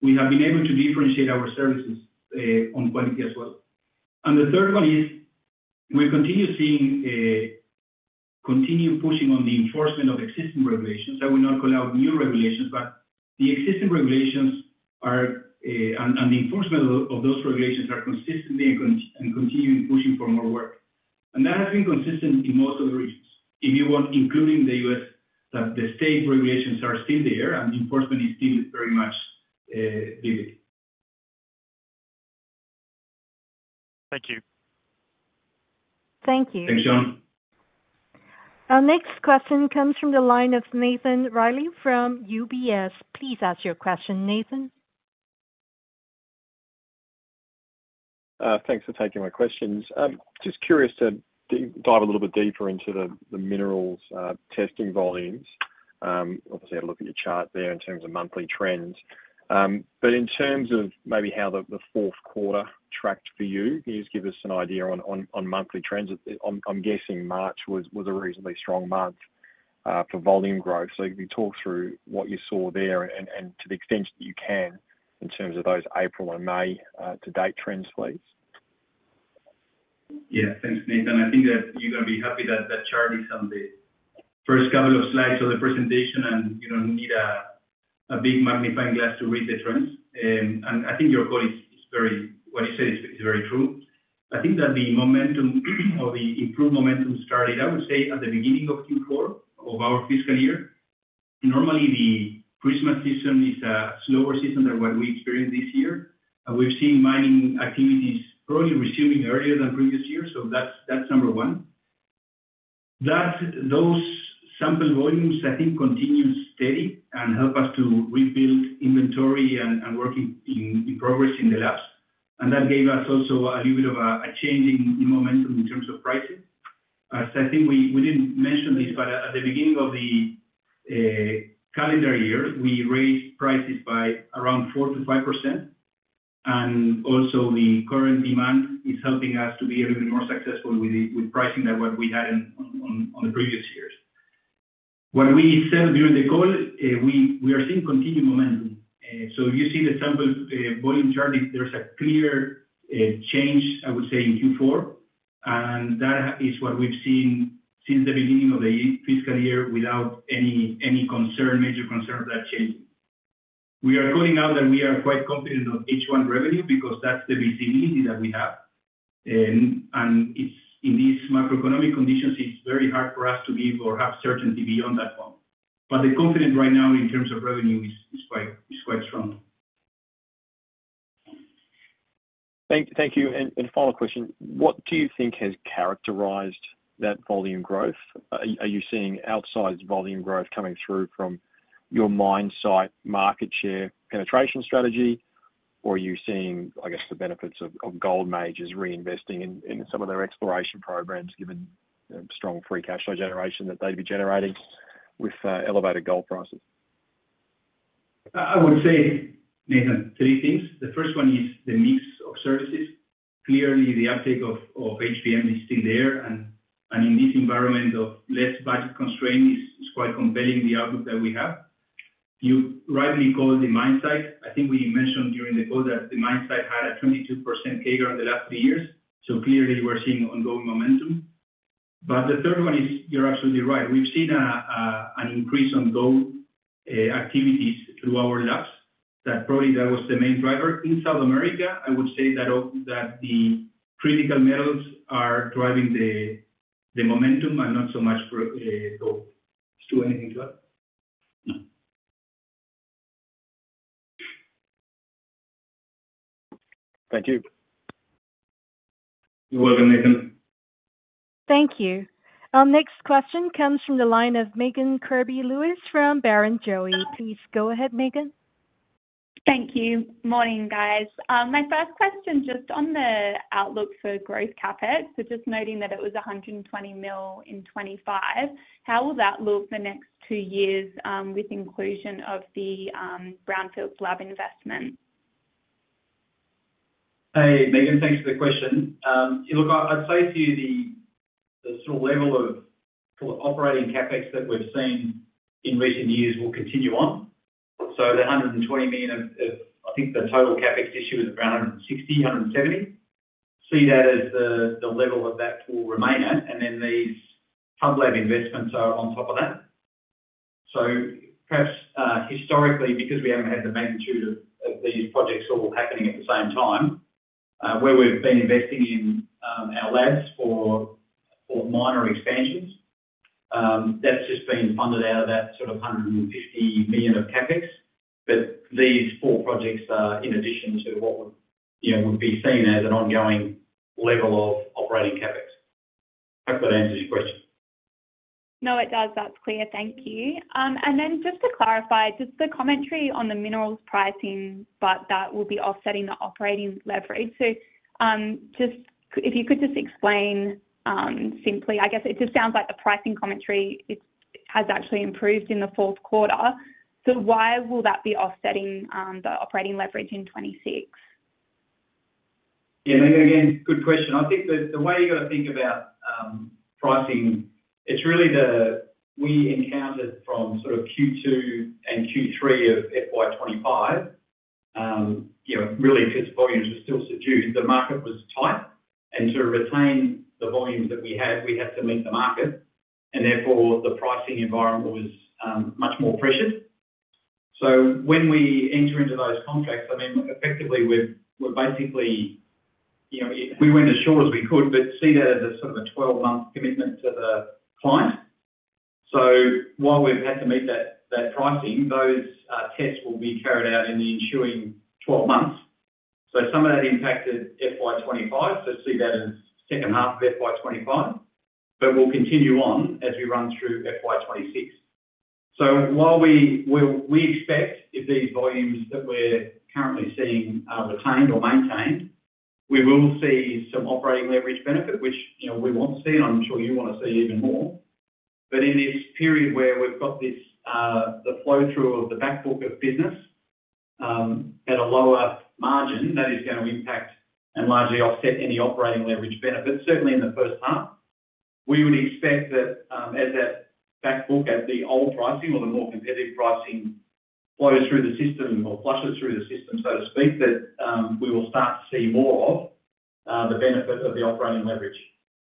Speaker 2: We have been able to differentiate our services on quality as well. The third one is we continue seeing continued pushing on the enforcement of existing regulations. I will not call out new regulations, but the existing regulations and the enforcement of those regulations are consistently and continuing pushing for more work. That has been consistent in most of the regions, including the U.S., that the state regulations are still there and the enforcement is still very much vivid.
Speaker 4: Thank you.
Speaker 1: Thank you.
Speaker 2: Thanks, John.
Speaker 1: Our next question comes from the line of Nathan Riley from UBS. Please ask your question, Nathan.
Speaker 5: Thanks for taking my questions. Just curious to dive a little bit deeper into the minerals testing volumes. Obviously, I had a look at your chart there in terms of monthly trends. In terms of maybe how the fourth quarter tracked for you, can you just give us an idea on monthly trends? I'm guessing March was a reasonably strong month for volume growth. Can you talk through what you saw there and to the extent that you can in terms of those April and May-to-date trends, please?
Speaker 2: Yeah, thanks, Nathan. I think that you're going to be happy that that chart is on the first couple of slides of the presentation, and you don't need a big magnifying glass to read the trends. I think your quote is very—what you said is very true. I think that the momentum or the improved momentum started, I would say, at the beginning of Q4 of our fiscal year. Normally, the Christmas season is a slower season than what we experienced this year. We've seen mining activities probably resuming earlier than previous years, so that's number one. Those sample volumes, I think, continued steady and helped us to rebuild inventory and work in progress in the labs. That gave us also a little bit of a change in momentum in terms of pricing. I think we didn't mention this, but at the beginning of the calendar year, we raised prices by around 4%-5%. Also, the current demand is helping us to be a little bit more successful with pricing than what we had on the previous years. What we said during the call, we are seeing continued momentum. If you see the sample volume chart, there's a clear change, I would say, in Q4. That is what we've seen since the beginning of the fiscal year without any major concerns that change. We are calling out that we are quite confident of H1 revenue because that's the visibility that we have. In these macroeconomic conditions, it's very hard for us to give or have certainty beyond that point. The confidence right now in terms of revenue is quite strong.
Speaker 5: Thank you. Final question. What do you think has characterized that volume growth? Are you seeing outsized volume growth coming through from your mine site market share penetration strategy, or are you seeing, I guess, the benefits of gold majors reinvesting in some of their exploration programs given the strong free cash flow generation that they'd be generating with elevated gold prices?
Speaker 2: I would say, Nathan, three things. The first one is the mix of services. Clearly, the uptake of HBM is still there, and in this environment of less budget constraints, it's quite compelling the outlook that we have. You rightly called the mine site. I think we mentioned during the call that the mine site had a 22% KDR in the last three years. Clearly, we're seeing ongoing momentum. The third one is you're absolutely right. We've seen an increase in gold activities through our labs. Probably that was the main driver. In South America, I would say that the critical metals are driving the momentum and not so much gold. Does anything to that? No.
Speaker 5: Thank you.
Speaker 2: You're welcome, Nathan.
Speaker 1: Thank you. Our next question comes from the line of Megan Kirby-Lewis from Barrenjoey. Please go ahead, Megan.
Speaker 6: Thank you. Morning, guys. My first question just on the outlook for growth CapEx. Just noting that it was 120 million in 2025. How will that look the next two years with inclusion of the Brownfields Lab investment?
Speaker 3: Hey, Megan, thanks for the question. Look, I'd say to you the sort of level of operating CapEx that we've seen in recent years will continue on. The 120 million, I think the total CapEx issue is around 160 million-170 million. See that as the level that that will remain at, and then these hub lab investments are on top of that. Perhaps historically, because we haven't had the magnitude of these projects all happening at the same time, where we've been investing in our labs for minor expansions, that's just been funded out of that sort of 150 million of CapEx. These four projects are in addition to what would be seen as an ongoing level of operating CapEx. Hope that answers your question.
Speaker 6: No, it does. That's clear. Thank you. Just to clarify, just the commentary on the minerals pricing that will be offsetting the operating leverage. If you could just explain simply, I guess it just sounds like the pricing commentary has actually improved in the fourth quarter. Why will that be offsetting the operating leverage in 2026?
Speaker 3: Yeah, Megan, again, good question. I think the way you've got to think about pricing, it's really the we encountered from sort of Q2 and Q3 of FY 2025, really, because volumes were still subdued. The market was tight, and to retain the volumes that we had, we had to meet the market, and therefore, the pricing environment was much more pressured. When we enter into those contracts, I mean, effectively, we're basically, we went as short as we could, but see that as a sort of a 12-month commitment to the client. While we've had to meet that pricing, those tests will be carried out in the ensuing 12 months. Some of that impacted FY 2025, so see that as second half of FY 2025, but we'll continue on as we run through FY 2026. While we expect if these volumes that we're currently seeing are retained or maintained, we will see some operating leverage benefit, which we want to see, and I'm sure you want to see even more. In this period where we've got the flow-through of the backbook of business at a lower margin, that is going to impact and largely offset any operating leverage benefit, certainly in the first half. We would expect that as that backbook at the old pricing or the more competitive pricing flows through the system or flushes through the system, so to speak, that we will start to see more of the benefit of the operating leverage,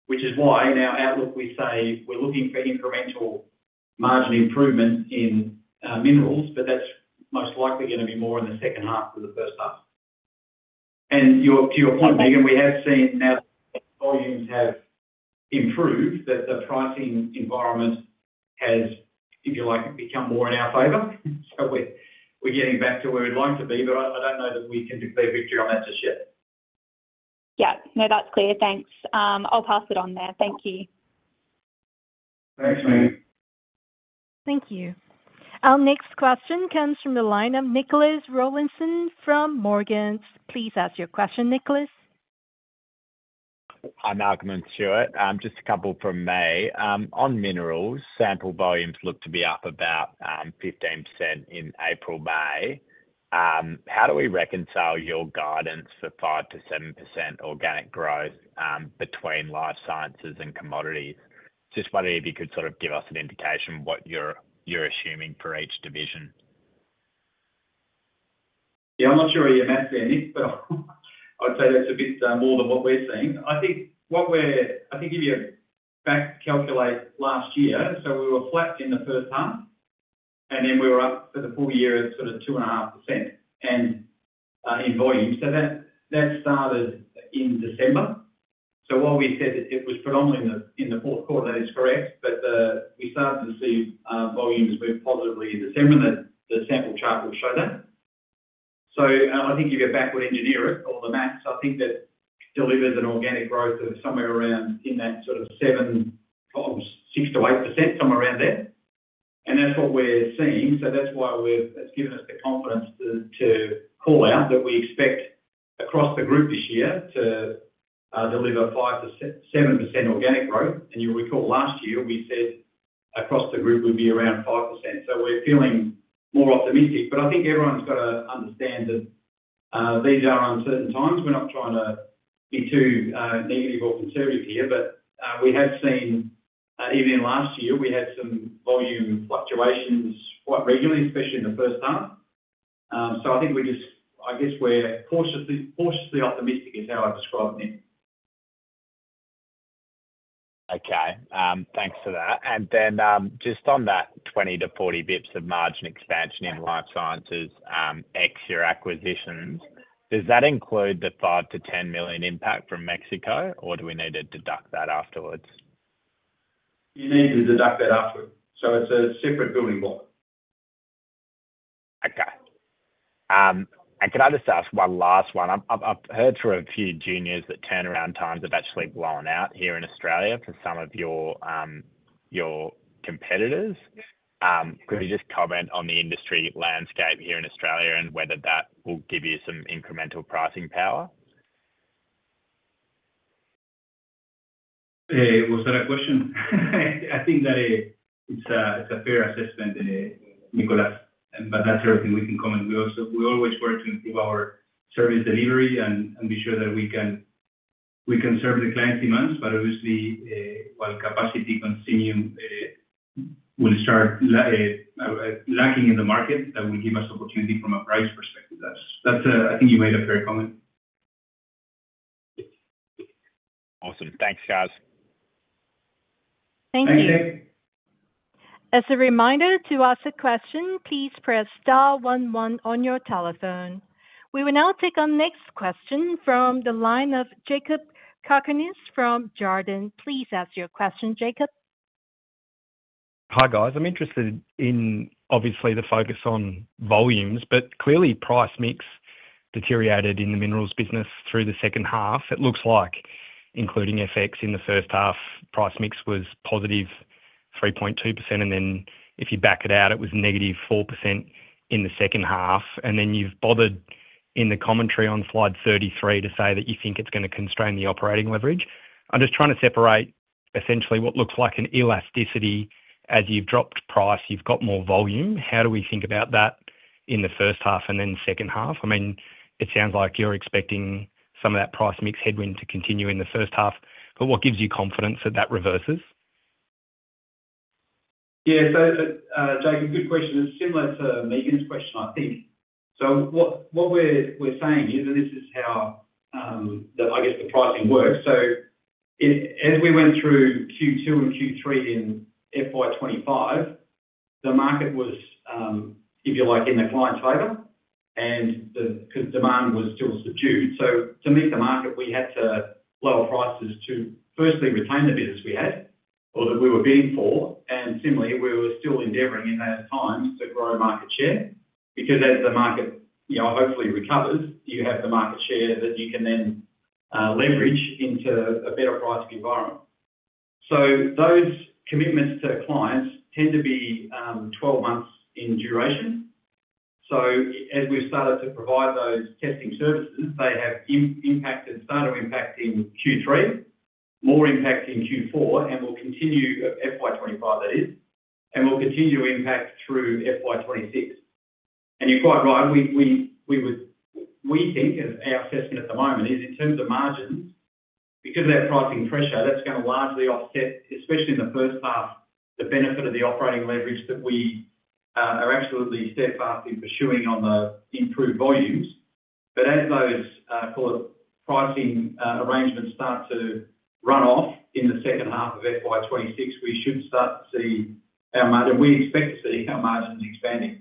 Speaker 3: which is why in our outlook, we say we're looking for incremental margin improvement in minerals, but that's most likely going to be more in the second half of the first half. To your point, Megan, we have seen now that volumes have improved, that the pricing environment has, if you like, become more in our favor. We're getting back to where we'd like to be, but I don't know that we can declare victory on that just yet.
Speaker 6: Yeah. No, that's clear. Thanks. I'll pass it on there. Thank you.
Speaker 3: Thanks, Megan.
Speaker 1: Thank you. Our next question comes from the line of Nicholas Rawlinson from Morgans. Please ask your question, Nicholas.
Speaker 7: Hi, Malcolm and Stuart. Just a couple from me. On minerals, sample volumes look to be up about 15% in April, May. How do we reconcile your guidance for 5%-7% organic growth between life sciences and commodities? Just wondering if you could sort of give us an indication of what you're assuming for each division.
Speaker 3: Yeah, I'm not sure you're matching there, Nick, but I'd say that's a bit more than what we're seeing. I think what we're, I can give you a back calculate last year. So we were flat in the first half, and then we were up for the full year at sort of 2.5% in volume. So that started in December. While we said it was predominantly in the fourth quarter, that is correct, but we started to see volumes move positively in December, and the sample chart will show that. I think if you backward engineer it, all the maths, I think that delivers an organic growth of somewhere around in that sort of 7%, 6%-8%, somewhere around there. That is what we're seeing. That is why it's given us the confidence to call out that we expect across the group this year to deliver 7% organic growth. You'll recall last year, we said across the group would be around 5%. We're feeling more optimistic. I think everyone's got to understand that these are uncertain times. We're not trying to be too negative or conservative here, but we have seen even in last year, we had some volume fluctuations quite regularly, especially in the first half. I think we just, I guess we're cautiously optimistic is how I'd describe it, Nick.
Speaker 7: Okay. Thanks for that. Just on that 20-40 basis points of margin expansion in life sciences ex your acquisitions, does that include the 5 million-10 million impact from Mexico, or do we need to deduct that afterwards?
Speaker 3: You need to deduct that afterwards. It's a separate building block.
Speaker 7: Can I just ask one last one? I've heard through a few juniors that turnaround times have actually blown out here in Australia for some of your competitors. Could you just comment on the industry landscape here in Australia and whether that will give you some incremental pricing power?
Speaker 3: Was that a question? I think that it's a fair assessment, Nicholas, but that's everything we can comment. We always work to improve our service delivery and be sure that we can serve the client's demands. Obviously, while capacity continuum will start lacking in the market, that will give us opportunity from a price perspective. I think you made a fair comment.
Speaker 7: Awesome. Thanks, guys.
Speaker 1: Thank you.
Speaker 3: Thanks, Nick.
Speaker 1: As a reminder to ask a question, please press star 11 on your telephone. We will now take our next question from the line of Jakob Cakarnis from Jarden. Please ask your question, Jakob.
Speaker 8: Hi, guys. I'm interested in, obviously, the focus on volumes, but clearly, price mix deteriorated in the minerals business through the second half. It looks like, including FX, in the first half, price mix was positive 3.2%, and then if you back it out, it was -4% in the second half. You bothered in the commentary on slide 33 to say that you think it is going to constrain the operating leverage. I'm just trying to separate essentially what looks like an elasticity. As you've dropped price, you've got more volume. How do we think about that in the first half and then second half? I mean, it sounds like you're expecting some of that price mix headwind to continue in the first half, but what gives you confidence that that reverses?
Speaker 3: Yeah. Jakob, good question. It is similar to Megan's question, I think. What we're saying is, and this is how, I guess, the pricing works. As we went through Q2 and Q3 in FY 2025, the market was, if you like, in the client's favor because demand was still subdued. To meet the market, we had to lower prices to firstly retain the business we had or that we were bidding for. Similarly, we were still endeavoring in those times to grow market share because as the market hopefully recovers, you have the market share that you can then leverage into a better pricing environment. Those commitments to clients tend to be 12 months in duration. As we've started to provide those testing services, they have started impacting Q3, more impact in Q4, and will continue FY 2025, that is, and will continue impact through FY 2026. You're quite right. We think, as our assessment at the moment is, in terms of margins, because of that pricing pressure, that is going to largely offset, especially in the first half, the benefit of the operating leverage that we are absolutely steadfast in pursuing on the improved volumes. As those pricing arrangements start to run off in the second half of FY 2026, we should start to see our margin, and we expect to see our margins expanding.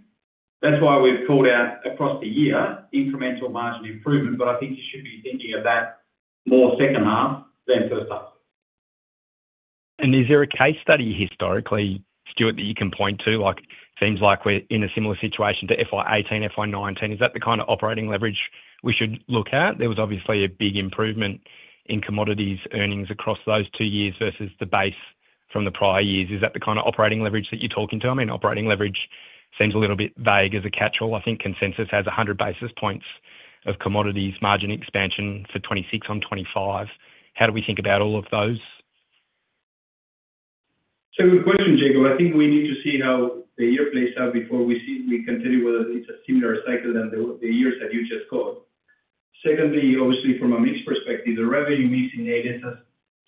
Speaker 3: That is why we have called out across the year incremental margin improvement, but I think you should be thinking of that more second half than first half.
Speaker 8: Is there a case study historically, Stuart, that you can point to? Seems like we are in a similar situation to FY 2018, FY 2019. Is that the kind of operating leverage we should look at? There was obviously a big improvement in commodities earnings across those two years versus the base from the prior years. Is that the kind of operating leverage that you're talking to? I mean, operating leverage seems a little bit vague as a catchall. I think consensus has 100 basis points of commodities margin expansion for 2026 on 2025. How do we think about all of those?
Speaker 2: The question, Jakob, I think we need to see how the year plays out before we continue with a similar cycle than the years that you just got. Secondly, obviously, from a mix perspective, the revenue mix and data has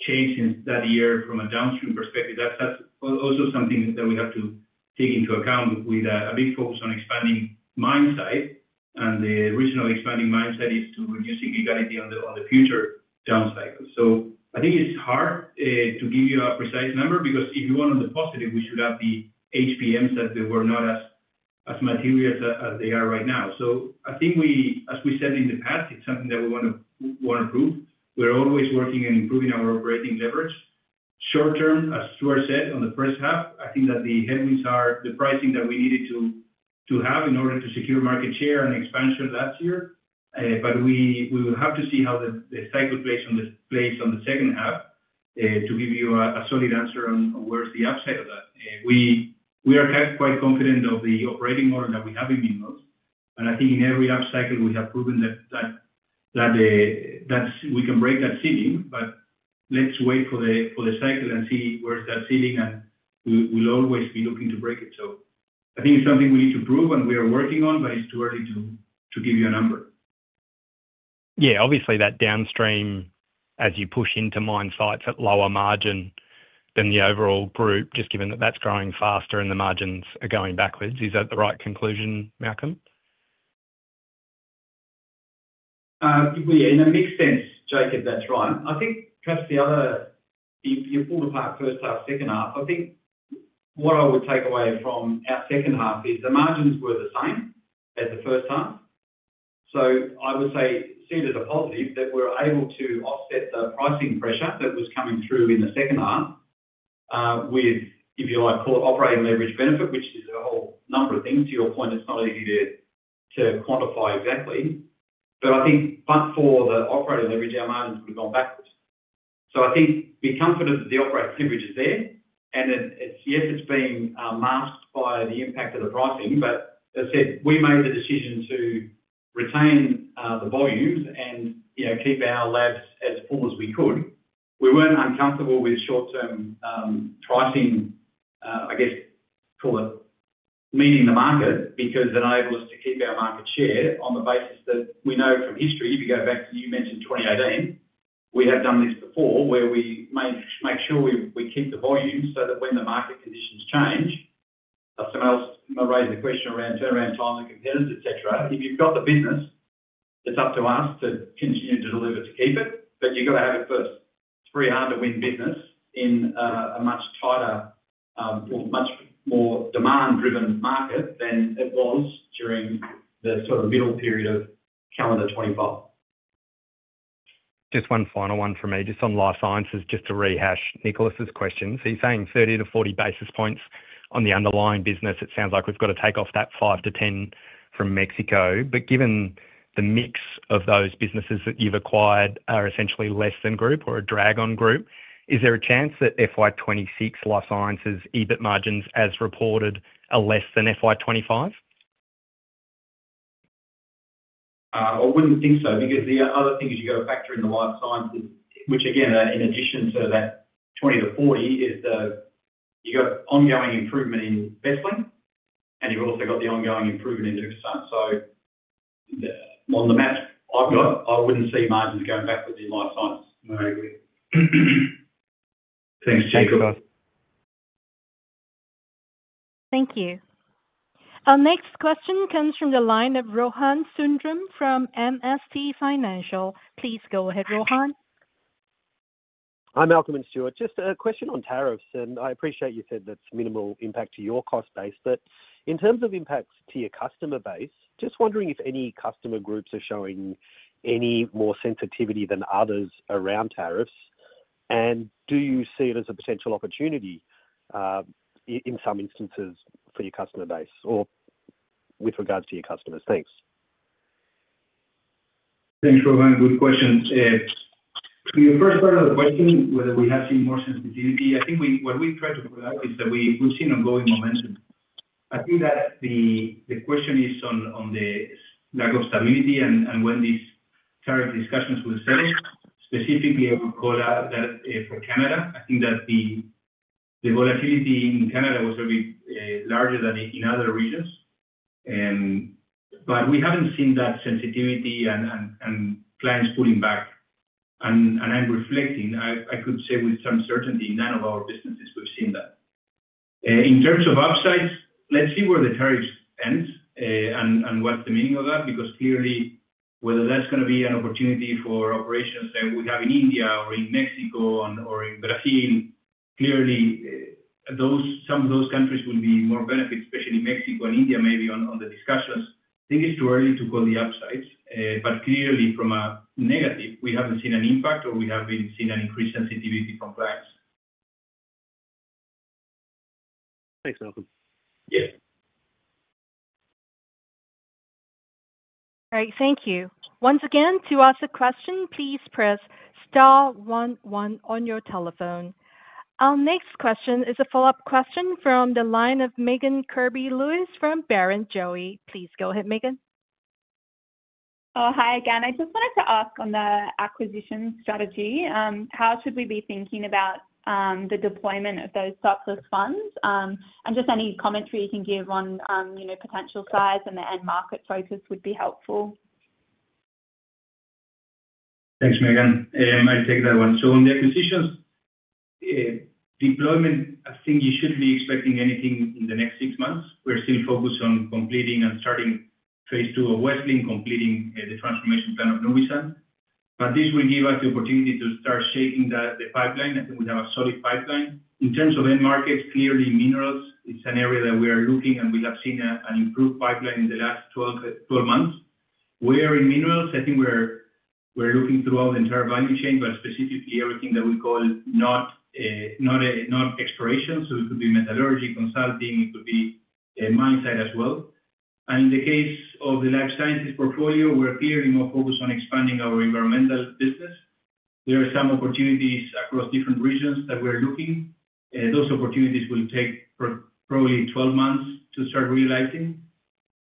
Speaker 2: changed since that year from a downstream perspective. That is also something that we have to take into account with a big focus on expanding mine site. The reason of expanding mine site is to reduce inequality on the future down cycle. I think it's hard to give you a precise number because if you want on the positive, we should have the HPMs that were not as material as they are right now. I think, as we said in the past, it's something that we want to prove. We're always working and improving our operating leverage. Short term, as Stuart said, on the first half, I think that the headwinds are the pricing that we needed to have in order to secure market share and expansion last year. We will have to see how the cycle plays on the second half to give you a solid answer on where's the upside of that. We are quite confident of the operating model that we have in minerals. I think in every up cycle, we have proven that we can break that ceiling, but let's wait for the cycle and see where's that ceiling, and we'll always be looking to break it. I think it's something we need to prove and we are working on, but it's too early to give you a number.
Speaker 8: Yeah. Obviously, that downstream, as you push into mine sites at lower margin than the overall group, just given that that's growing faster and the margins are going backwards, is that the right conclusion, Malcolm?
Speaker 2: Yeah. That makes sense, Jakob, that's right. I think perhaps the other you pulled apart first half, second half. I think what I would take away from our second half is the margins were the same as the first half. I would say see it as a positive that we're able to offset the pricing pressure that was coming through in the second half with, if you like, called operating leverage benefit, which is a whole number of things. To your point, it's not easy to quantify exactly. I think for the operating leverage, our margins would have gone backwards. I think we're comfortable that the operating leverage is there. Yes, it's being masked by the impact of the pricing, but as I said, we made the decision to retain the volumes and keep our labs as full as we could. We were not uncomfortable with short-term pricing, I guess, call it meeting the market because it enabled us to keep our market share on the basis that we know from history, if you go back to you mentioned 2018, we have done this before where we make sure we keep the volume so that when the market conditions change, customers raise the question around turnaround time and competitors, etc. If you have got the business, it is up to us to continue to deliver to keep it, but you have got to have it first. It is very hard to win business in a much tighter or much more demand-driven market than it was during the sort of middle period of calendar 2025.
Speaker 8: Just one final one from me. Just on life sciences, just to rehash Nicholas's questions. He is saying 30-40 basis points on the underlying business. It sounds like we've got to take off that 5-10 from Mexico. But given the mix of those businesses that you've acquired are essentially less than group or a drag on group, is there a chance that FY 2026 life sciences EBIT margins, as reported, are less than FY 2025?
Speaker 2: I wouldn't think so because the other thing is you've got to factor in the life sciences, which again, in addition to that 20-40, is you've got ongoing improvement in Vesseling, and you've also got the ongoing improvement in different stuff. On the map I've got, I wouldn't see margins going backwards in life sciences.
Speaker 8: No, I agree.
Speaker 2: Thanks, Jacob.
Speaker 1: Thank you. Our next question comes from the line of Rohan Sundram from MST Financial. Please go ahead, Rohan.
Speaker 9: Hi, Malcolm and Stuart. Just a question on tariffs, and I appreciate you said that is minimal impact to your cost base. In terms of impacts to your customer base, just wondering if any customer groups are showing any more sensitivity than others around tariffs, and do you see it as a potential opportunity in some instances for your customer base or with regards to your customers? Thanks.
Speaker 2: Thanks, Rohan. Good question. To your first part of the question, whether we have seen more sensitivity, I think what we have tried to pull out is that we have seen ongoing momentum. I think that the question is on the lack of stability and when these tariff discussions will settle. Specifically, I would call out that for Canada, I think that the volatility in Canada was a bit larger than in other regions. We have not seen that sensitivity and clients pulling back. I'm reflecting, I could say with some certainty, none of our businesses we've seen that. In terms of upsides, let's see where the tariffs end and what's the meaning of that because clearly, whether that's going to be an opportunity for operations that we have in India or in Mexico or in Brazil, clearly, some of those countries will be more benefited, especially Mexico and India maybe on the discussions. I think it's too early to call the upsides. Clearly, from a negative, we haven't seen an impact or we haven't seen an increased sensitivity from clients.
Speaker 9: Thanks, Malcolm.
Speaker 2: Yes. All right. Thank you. Once again, to ask a question, please press star one one on your telephone. Our next question is a follow-up question from the line of Megan Kirby-Lewis from Barrenjoey. Please go ahead, Megan.
Speaker 6: Hi, again. I just wanted to ask on the acquisition strategy. How should we be thinking about the deployment of those surplus funds? Any commentary you can give on potential size and market focus would be helpful.
Speaker 2: Thanks, Megan. I'll take that one. On the acquisitions deployment, I think you shouldn't be expecting anything in the next six months. We're still focused on completing and starting phase two of Vesseling, completing the transformation plan of Nuvisan. This will give us the opportunity to start shaping the pipeline. I think we have a solid pipeline. In terms of end markets, clearly, minerals is an area that we are looking, and we have seen an improved pipeline in the last 12 months. Where in minerals, I think we're looking throughout the entire value chain, but specifically everything that we call not exploration. It could be metallurgy, consulting, it could be mine site as well. In the case of the life sciences portfolio, we're clearly more focused on expanding our environmental business. There are some opportunities across different regions that we're looking. Those opportunities will take probably 12 months to start realising.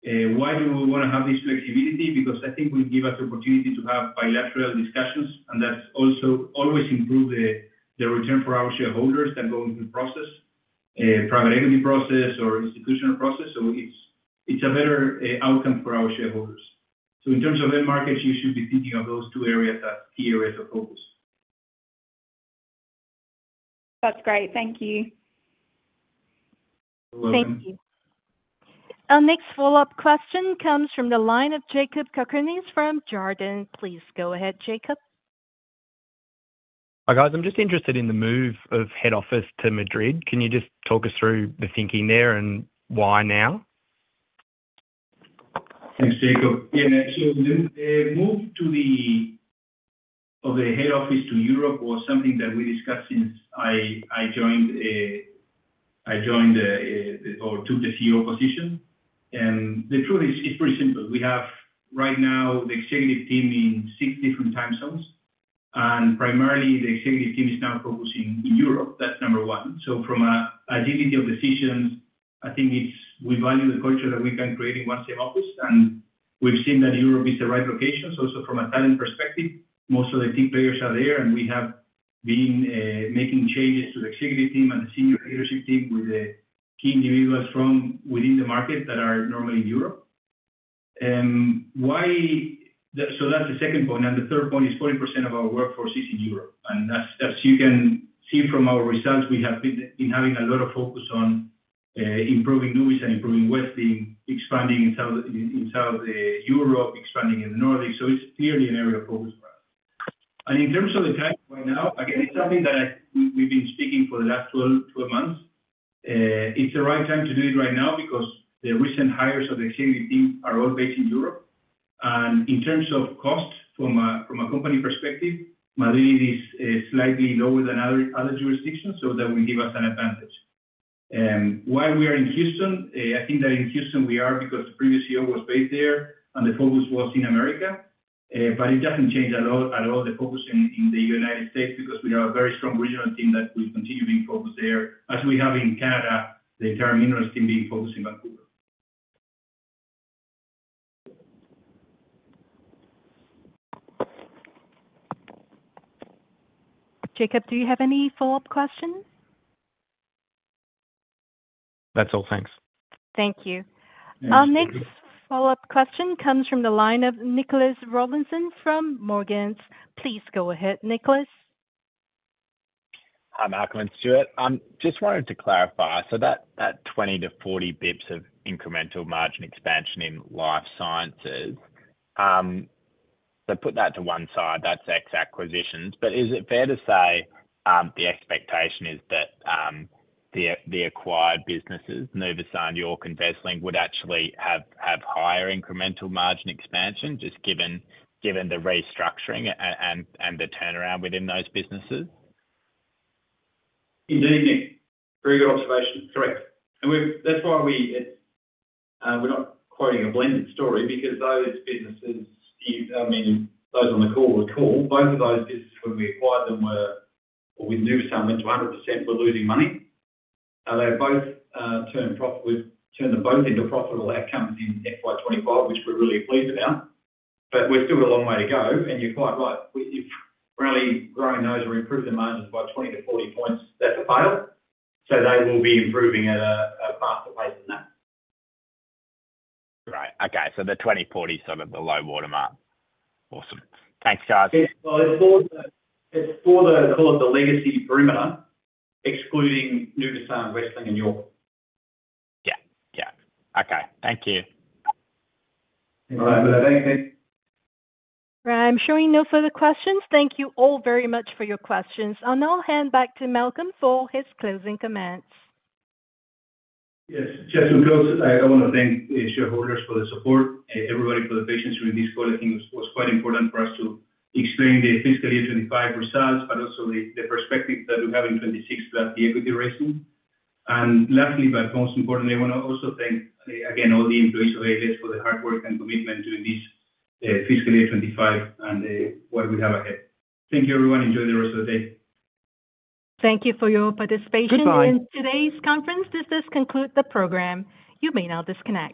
Speaker 2: Why do we want to have this flexibility? I think it gives us the opportunity to have bilateral discussions, and that has also always improved the return for our shareholders that go into the process, private equity process or institutional process. It is a better outcome for our shareholders. In terms of end markets, you should be thinking of those two areas as key areas of focus. That's great. Thank you. Thank you. Our next follow-up question comes from the line of Jakob Cakarnis from Jarden. Please go ahead, Jacob.
Speaker 8: Hi, guys. I'm just interested in the move of head office to Madrid. Can you just talk us through the thinking there and why now?
Speaker 2: Thanks, Jakob. Yeah. The move of the head office to Europe was something that we discussed since I joined or took the CEO position. The truth is it's pretty simple. We have right now the executive team in six different time zones. Primarily, the executive team is now focusing in Europe. That's number one. From an agility of decisions, I think we value the culture that we can create in one same office. We've seen that Europe is the right location. Also from a talent perspective, most of the team players are there, and we have been making changes to the executive team and the senior leadership team with the key individuals from within the market that are normally in Europe. That's the second point. The third point is 40% of our workforce is in Europe. As you can see from our results, we have been having a lot of focus on improving Nuvisan, improving Vesseling, expanding in South Europe, expanding in the Nordics. It is clearly an area of focus for us. In terms of the time right now, again, it is something that we have been speaking about for the last 12 months. It is the right time to do it right now because the recent hires of the executive team are all based in Europe. In terms of cost from a company perspective, Madrid is slightly lower than other jurisdictions, so that will give us an advantage. Why are we in Houston? I think that in Houston we are there because the previous CEO was based there and the focus was in America. But it does not change a lot at all, the focus in the United States because we have a very strong regional team that will continue being focused there, as we have in Canada, the entire minerals team being focused in Vancouver.
Speaker 1: Jakob, do you have any follow-up questions?
Speaker 8: That is all. Thanks.
Speaker 1: Thank you. Our next follow-up question comes from the line of Nicholas Rawlinson from Morgans. Please go ahead, Nicholas.
Speaker 7: Hi, Malcolm and Stuart. I just wanted to clarify. So that 20-40 basis points of incremental margin expansion in life sciences, so put that to one side, that is ex-acquisitions. But is it fair to say the expectation is that the acquired businesses, Nuvisan, York Laboratories, and Vesseling, would actually have higher incremental margin expansion just given the restructuring and the turnaround within those businesses?
Speaker 3: Indeed, Nick. Very good observation. Correct. That is why we're not quoting a blended story because those businesses, I mean, those on the call would call. Both of those businesses, when we acquired them, were with Nuvisan, went to 100%, were losing money. They've both turned them both into profitable outcomes in FY 2025, which we're really pleased about. We're still a long way to go. You're quite right. If really growing those or improving the margins by 20-40% points, that's a fail. They will be improving at a faster pace than that.
Speaker 7: Right. Okay. The 20-40 is sort of the low watermark. Awesome. Thanks, guys.
Speaker 3: It's for the, call it the legacy perimeter, excluding Nuvisan, Vesseling, and York. Yeah. Yeah. Okay. Thank you. Thanks, guys. Thanks.
Speaker 1: I'm showing no further questions. Thank you all very much for your questions. I'll now hand back to Malcolm for his closing comments.
Speaker 2: Yes. Just to close, I want to thank the shareholders for the support, everybody for the patience during this call. I think it was quite important for us to explain the fiscal year 2025 results, but also the perspective that we have in 2026 about the equity raising. Lastly, but most importantly, I want to also thank, again, all the employees of ALS for the hard work and commitment during this fiscal year 2025 and what we have ahead. Thank you, everyone. Enjoy the rest of the day.
Speaker 1: Thank you for your participation. Goodbye. Today's conference does conclude the program. You may now disconnect.